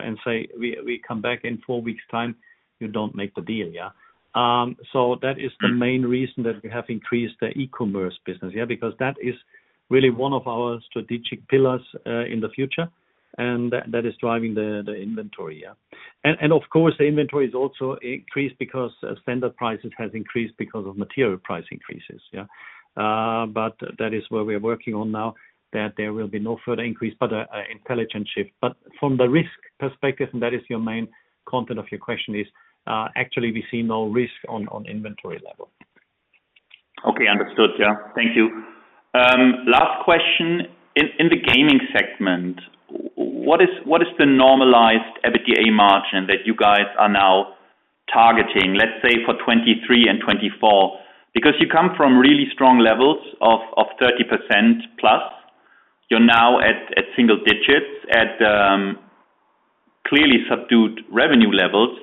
and say, "We come back in four weeks time," you don't make the deal. Yeah. That is the main reason that we have increased the e-commerce business. That is really one of our strategic pillars in the future, and that is driving the inventory. Of course, the inventory is also increased because standard prices has increased because of material price increases. That is where we are working on now, that there will be no further increase, but a intelligent shift. From the risk perspective, and that is your main content of your question is, actually, we see no risk on inventory level. Okay. Understood. Yeah. Thank you. Last question. In the gaming segment, what is the normalized EBITDA margin that you guys are now targeting, let's say for 2023 and 2024? Because you come from really strong levels of 30%+. You're now at single digits at clearly subdued revenue levels.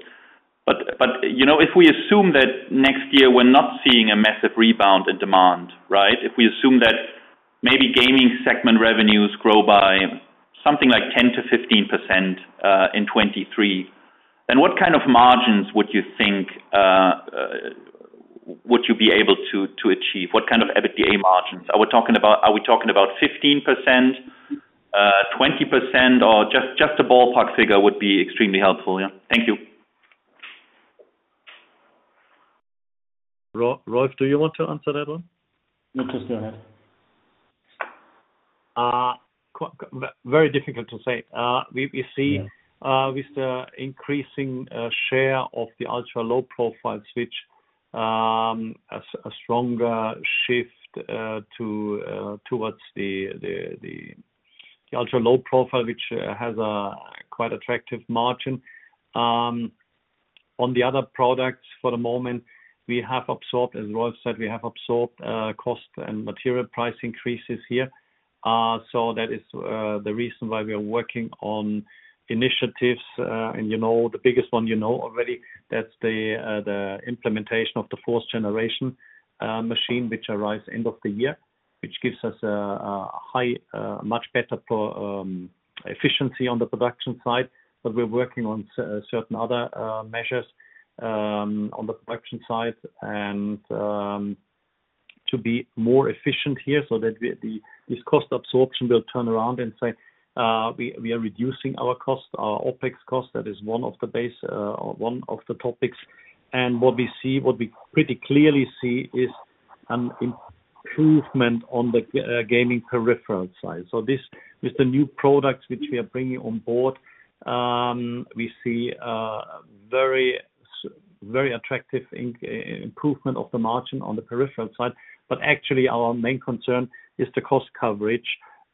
You know, if we assume that next year we're not seeing a massive rebound in demand, right? If we assume that maybe gaming segment revenues grow by something like 10%-15% in 2023, then what kind of margins would you think you would be able to achieve? What kind of EBITDA margins? Are we talking about 15%, 20%, or just a ballpark figure would be extremely helpful. Yeah. Thank you. Rolf, do you want to answer that one? No, just go ahead. Very difficult to say. We see with the increasing share of the ultra-low profile switch a stronger shift towards the ultra-low profile, which has a quite attractive margin. On the other products for the moment, we have absorbed, as Rolf said, we have absorbed cost and material price increases here. So that is the reason why we are working on initiatives. And you know, the biggest one you know already, that's the implementation of the fourth generation machine, which arrives end of the year, which gives us a high much better production efficiency on the production side. We're working on certain other measures on the production side and to be more efficient here so that this cost absorption will turn around and say we are reducing our costs, our OpEx cost. That is one of the bases or one of the topics. What we pretty clearly see is an improvement on the gaming peripheral side. This, with the new products which we are bringing on board, we see a very attractive improvement of the margin on the peripheral side. Actually, our main concern is the cost coverage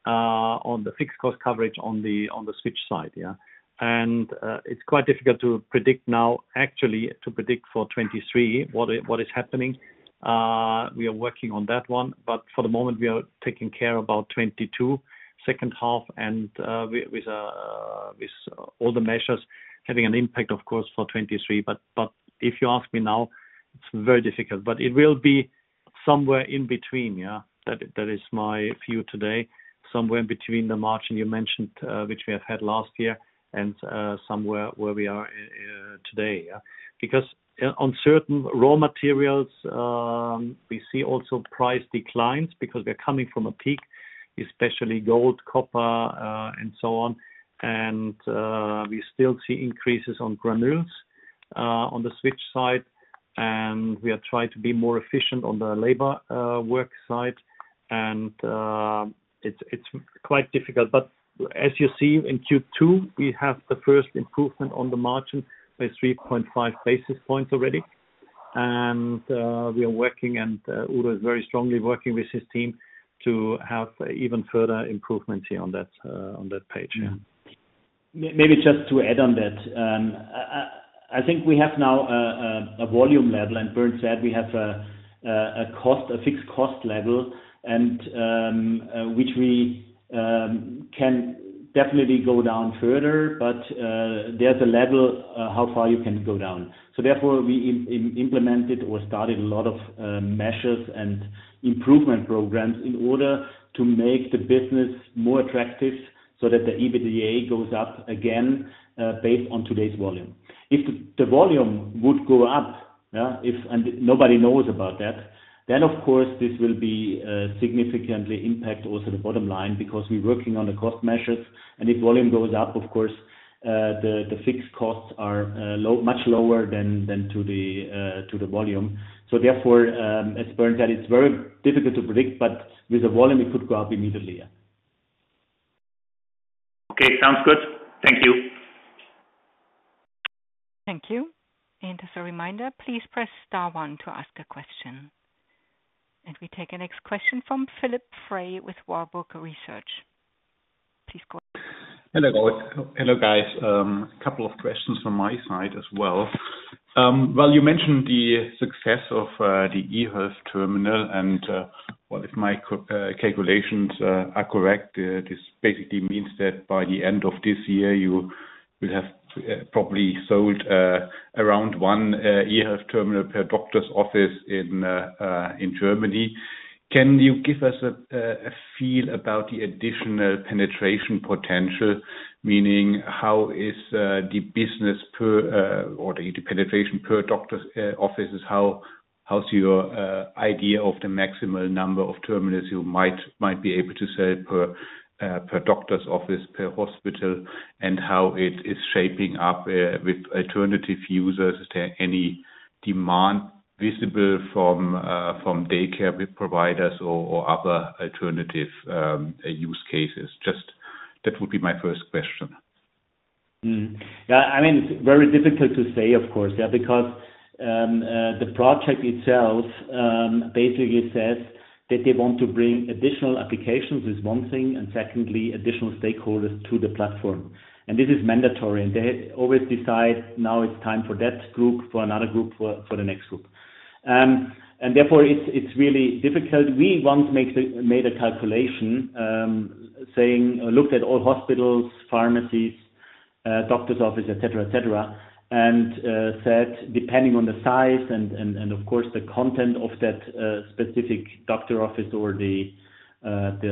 on the fixed cost coverage on the switch side, yeah. It's quite difficult to predict now, actually, to predict for 2023 what is happening. We are working on that one, but for the moment, we are taking care about 2022, second half, and with all the measures having an impact, of course, for 2023. If you ask me now, it's very difficult, but it will be somewhere in between, yeah. That is my view today, somewhere in between the margin you mentioned, which we have had last year and somewhere where we are today, yeah. Because on certain raw materials, we see also price declines because we're coming from a peak, especially gold, copper, and so on. We still see increases on granules, on the switch side. We are trying to be more efficient on the labor work side. It's quite difficult. As you see in Q2, we have the first improvement on the margin by 3.5 basis points already. We are working, and Udo is very strongly working with his team to have even further improvement here on that page, yeah. Maybe just to add on that. I think we have now a volume level. Bernd said we have a fixed cost level, which we can definitely go down further. There's a level how far you can go down. Therefore, we implemented or started a lot of measures and improvement programs in order to make the business more attractive so that the EBITDA goes up again based on today's volume. If the volume would go up, yeah, if nobody knows about that, then, of course, this will be significantly impact also the bottom line because we're working on the cost measures, and if volume goes up, of course, the fixed costs are low, much lower than to the volume. As Bernd said, it's very difficult to predict, but with the volume, it could go up immediately, yeah. Okay, sounds good. Thank you. Thank you. As a reminder, please press star one to ask a question. We take our next question from Jörg Philipp Frey with Warburg Research. Please go ahead. Hello, Rolf. Hello, guys. A couple of questions from my side as well. Well, you mentioned the success of the eHealth terminal, and well, if my calculations are correct, this basically means that by the end of this year, you will have probably sold around one eHealth terminal per doctor's office in Germany. Can you give us a feel about the additional penetration potential? Meaning, how is the business per or the penetration per doctor's offices? How's your idea of the maximum number of terminals you might be able to sell per doctor's office, per hospital, and how it is shaping up with alternative users? Is there any demand visible from daycare providers or other alternative use cases? Just that would be my first question. Mm-hmm. Yeah, I mean, it's very difficult to say, of course. Yeah, because the project itself basically says that they want to bring additional applications. This is one thing, and secondly, additional stakeholders to the platform. This is mandatory, and they always decide, now it's time for that group, for another group, for the next group. Therefore it's really difficult. We once made a calculation, saying looked at all hospitals, pharmacies, doctor's office, et cetera, et cetera, and said depending on the size and of course the content of that specific doctor's office or the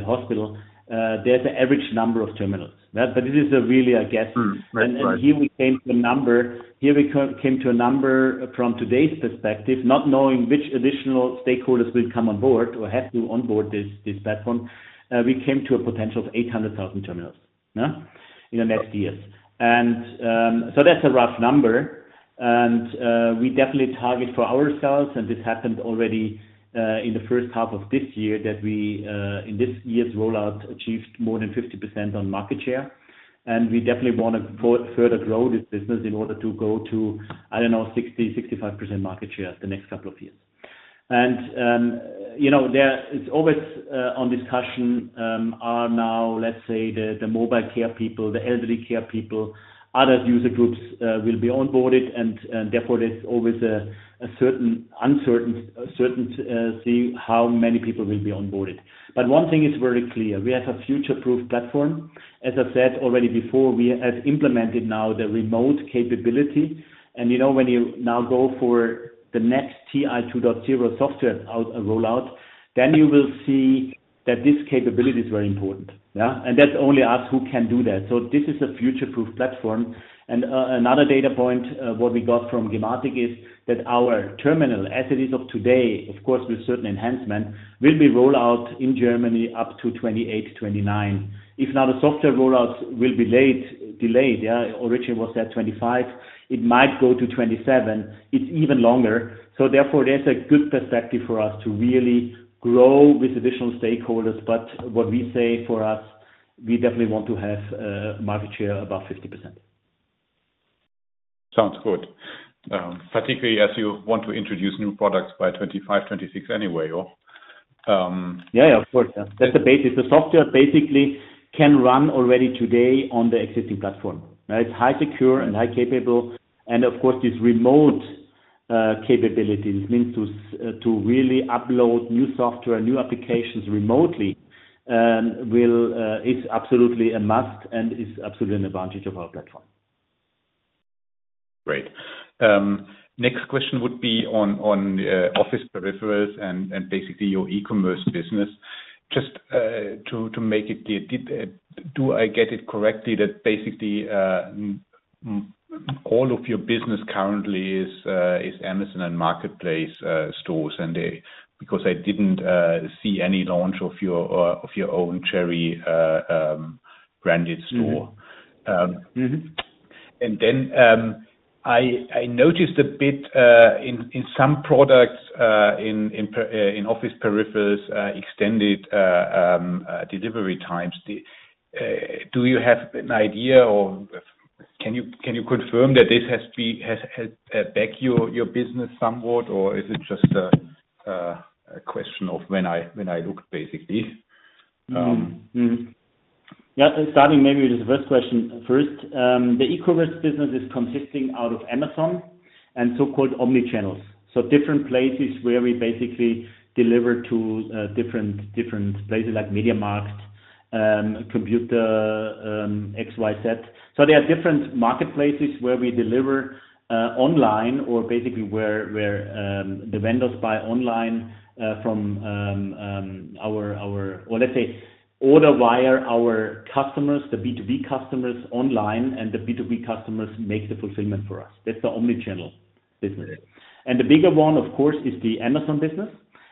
hospital, there's an average number of terminals. But it is really a guess. Right. Right. Here we came to a number from today's perspective, not knowing which additional stakeholders will come on board or have to onboard this platform. We came to a potential of 800,000 terminals in the next years. So that's a rough number. We definitely target for ourselves, and this happened already in the first half of this year, that we in this year's rollout achieved more than 50% on market share. We definitely wanna further grow this business in order to go to, I don't know, 60%-65% market share the next couple of years. You know, there is always ongoing discussion now. Let's say the mobile care people, the elderly care people, other user groups will be onboarded, and therefore, there's always a certain uncertainty seeing how many people will be onboarded. One thing is very clear, we have a future-proof platform. As I said already before, we have implemented now the remote capability. You know, when you now go for the next TI 2.0 software rollout, then you will see that this capability is very important. Yeah? That's only us who can do that. This is a future-proof platform. Another data point what we got from Gematik is that our terminal, as it is today, of course, with certain enhancement, will be rolled out in Germany up to 2028, 2029. If now the software rollouts will be delayed, yeah, originally was at 2025, it might go to 2027. It's even longer. Therefore, there's a good perspective for us to really grow with additional stakeholders. What we say for us, we definitely want to have market share above 50%. Sounds good. Particularly as you want to introduce new products by 2025, 2026 anyway or. Yeah, of course. That's the basis. The software basically can run already today on the existing platform, right? It's highly secure and highly capable. Of course, this remote capability means to really upload new software, new applications remotely, is absolutely a must and is absolutely an advantage of our platform. Great. Next question would be on office peripherals and basically your e-commerce business. Just to make it clear, do I get it correctly that basically all of your business currently is Amazon and marketplace stores? Because I didn't see any launch of your own Cherry branded store. Mm-hmm. Um- Mm-hmm. I noticed a bit in some products in office peripherals extended delivery times. Do you have an idea, or can you confirm that this has impacted your business somewhat, or is it just a question of when I look, basically? Starting maybe with the first question. The e-commerce business is consisting out of Amazon and so-called omnichannels. Different places where we basically deliver to, different places like MediaMarkt, computeruniverse, XYZ. There are different marketplaces where we deliver online or basically where the vendors buy online from our. Or let's say, order via our customers, the B2B customers online, and the B2B customers make the fulfillment for us. That's the omnichannel business. The bigger one, of course, is the Amazon business.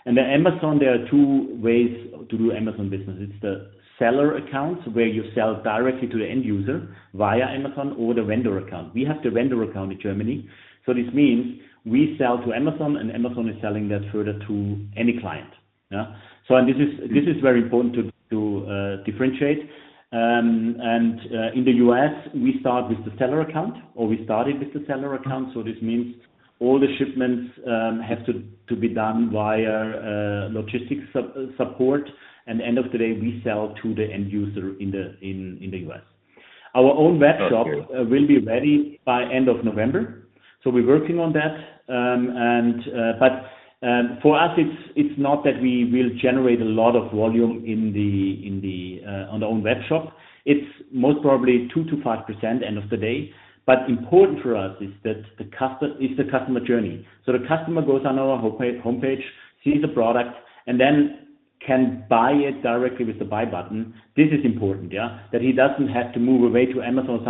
The Amazon, there are two ways to do Amazon business. It's the seller accounts, where you sell directly to the end user via Amazon or the vendor account. We have the vendor account in Germany. This means we sell to Amazon, and Amazon is selling that further to any client. Yeah? This is very important to differentiate. In the U.S., we start with the seller account, or we started with the seller account. This means all the shipments have to be done via logistics support. End of the day, we sell to the end user in the U.S. Our own webshop. Got you. It will be ready by the end of November. We're working on that. For us, it's not that we will generate a lot of volume in our own webshop. It's most probably 2%-5% end of the day. Important for us is that is the customer journey. The customer goes on our home page, sees the product, and then can buy it directly with the buy button. This is important, yeah. That he doesn't have to move away to Amazon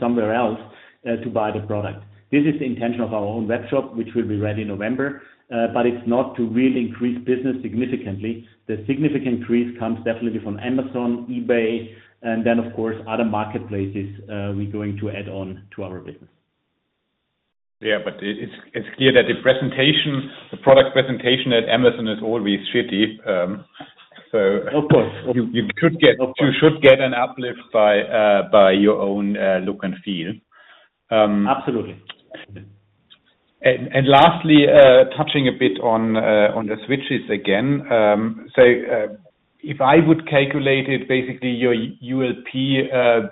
somewhere else to buy the product. This is the intention of our own webshop, which will be ready November. It's not to really increase business significantly. The significant increase comes definitely from Amazon, eBay, and then, of course, other marketplaces we're going to add on to our business. It's clear that the presentation, the product presentation at Amazon is always pretty. Of course. Of course. You could get- Of course. You should get an uplift by your own look and feel. Absolutely. Lastly, touching a bit on the switches again. If I would calculate it, basically, your ULP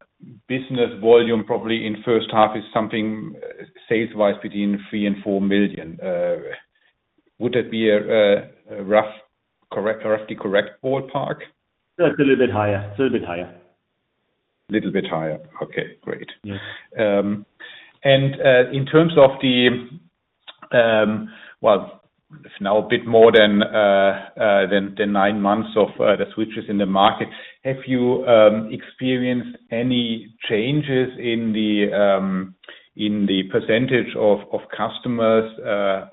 business volume probably in first half is something sales wise between 3 million and 4 million. Would that be a roughly correct ballpark? It's a little bit higher. Little bit higher. Okay, great. Yeah. In terms of, well, it's now a bit more than nine months of the switches in the market. Have you experienced any changes in the percentage of customers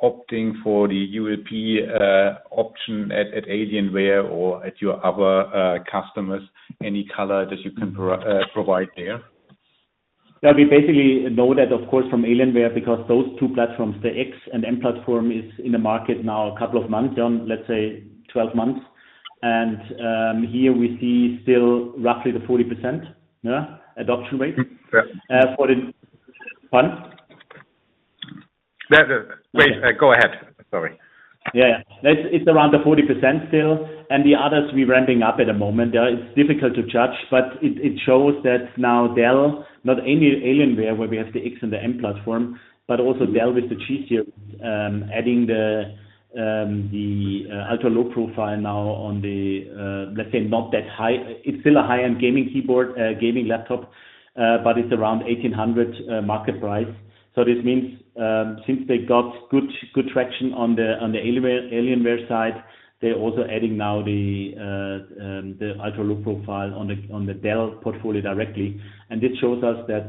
opting for the ULP option at Alienware or at your other customers? Any color that you can provide there? Yeah. We basically know that, of course, from Alienware, because those two platforms, the X and M platform, is in the market now a couple of months, let's say 12 months. Here we see still roughly 40%, adoption rate. Yeah. What? Wait, go ahead. Sorry. Yeah. It's around the 40% still, and the others we're ramping up at the moment. It's difficult to judge, but it shows that now Dell, not Alienware, where we have the X and the M platform, but also Dell with the G-series, adding the Ultra Low Profile now on the, let's say not that high. It's still a high-end gaming keyboard, gaming laptop, but it's around 1,800 market price. This means, since they got good traction on the Alienware side, they're also adding now the Ultra Low Profile on the Dell portfolio directly. This shows us that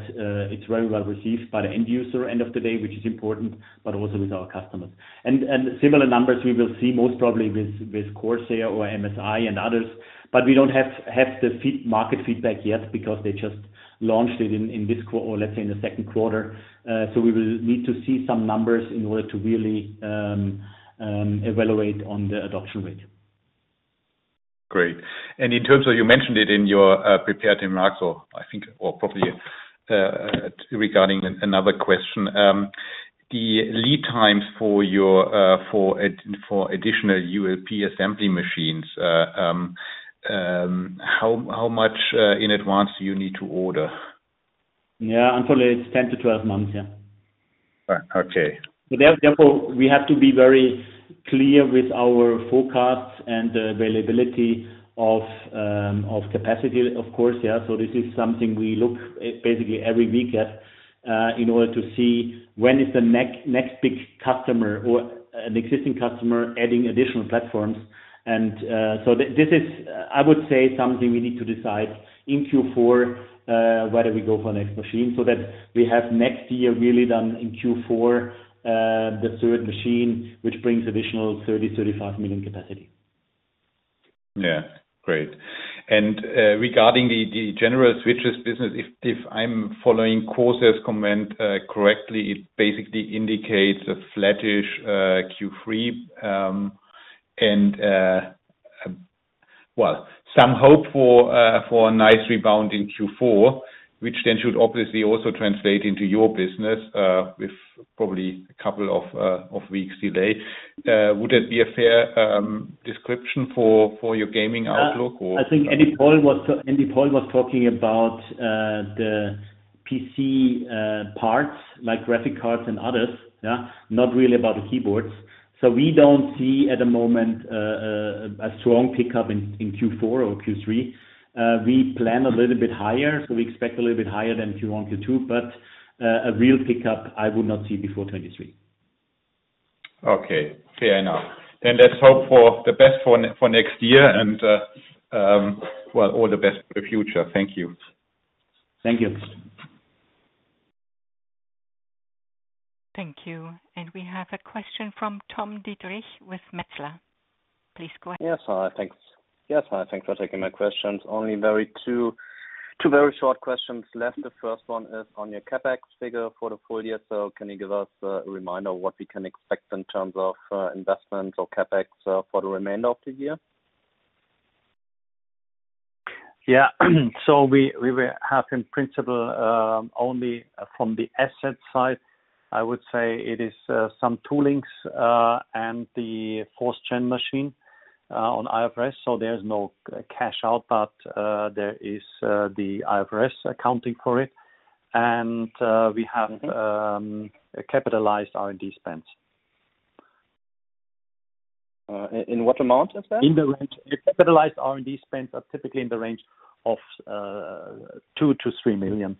it's very well received by the end user end of the day, which is important, but also with our customers. Similar numbers we will see most probably with Corsair or MSI and others, but we don't have the market feedback yet because they just launched it in this quarter or let's say in the second quarter. We will need to see some numbers in order to really evaluate the adoption rate. Great. In terms of, you mentioned it in your prepared remarks or I think, or probably, regarding another question, the lead times for your additional ULP assembly machines, how much in advance do you need to order? Yeah. Unfortunately, it's 10-12 months, yeah. All right. Okay. Therefore, we have to be very clear with our forecasts and the availability of capacity, of course. This is something we look basically every week at in order to see when is the next big customer or an existing customer adding additional platforms. This is, I would say, something we need to decide in Q4 whether we go for next machine so that we have next year really done in Q4 the third machine, which brings additional 35 million capacity. Yeah. Great. Regarding the general switches business, if I'm following Corsair's comment correctly, it basically indicates a flattish Q3, and well, some hope for a nice rebound in Q4, which then should obviously also translate into your business, with probably a couple of weeks delay. Would it be a fair description for your gaming outlook or? I think Andy Paul was talking about the PC parts like graphic cards and others, yeah? Not really about the keyboards. We don't see at the moment a strong pickup in Q4 or Q3. We plan a little bit higher, so we expect a little bit higher than Q1, Q2, but a real pickup I would not see before 2023. Okay. Fair enough. Let's hope for the best for next year and, well, all the best for the future. Thank you. Thank you. Thank you. We have a question from Tom Diedrich with Metzler. Please go ahead. Yes. Thanks. Yes. Thanks for taking my questions. Only two very short questions left. The first one is on your CapEx figure for the full year. Can you give us a reminder what we can expect in terms of investment or CapEx for the remainder of the year? We will have in principle only from the asset side. I would say it is some toolings and the fourth-gen machine on IFRS. There's no cash out, but there is the IFRS accounting for it. We have a capitalized R&D spend. In what amount is that? The capitalized R&D spends are typically in the range of 2 million-3 million.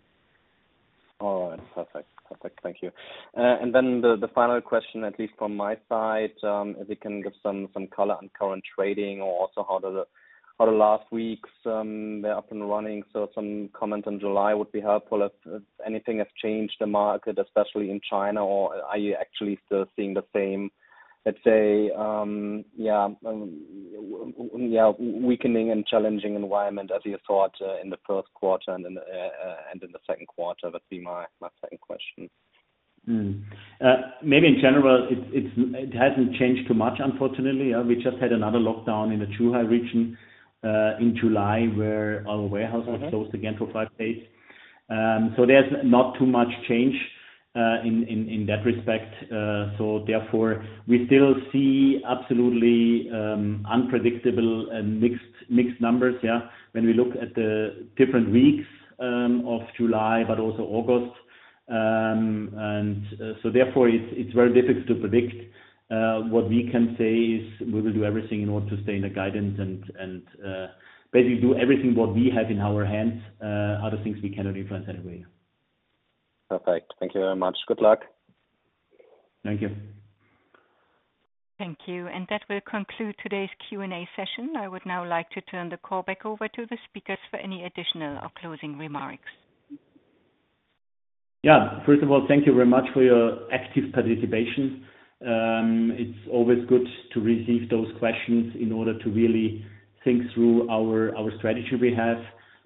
All right. Perfect. Perfect. Thank you. The final question, at least from my side, if you can give some color on current trading or also how the last weeks they're up and running. Some comment on July would be helpful. If anything has changed the market, especially in China, or are you actually still seeing the same, let's say, yeah, weakening and challenging environment as you thought in the first quarter and in the second quarter? That'd be my second question. Maybe in general, it hasn't changed too much, unfortunately. We just had another lockdown in the Zhuhai region in July, where our warehouse was closed again for five days. There's not too much change in that respect. Therefore, we still see absolutely unpredictable and mixed numbers when we look at the different weeks of July, but also August. It's very difficult to predict. What we can say is we will do everything in order to stay in the guidance and basically do everything what we have in our hands. Other things we cannot influence anyway. Perfect. Thank you very much. Good luck. Thank you. Thank you. That will conclude today's Q&A session. I would now like to turn the call back over to the speakers for any additional or closing remarks. Yeah. First of all, thank you very much for your active participation. It's always good to receive those questions in order to really think through our strategy we have,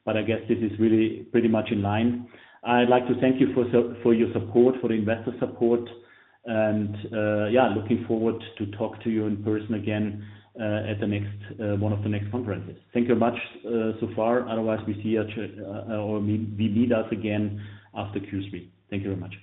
but I guess this is really pretty much in line. I'd like to thank you for for your support, for the investor support, and, yeah, looking forward to talk to you in person again, at the next one of the next conferences. Thank you much so far. Otherwise, we see you at, or we meet us again after Q3. Thank you very much.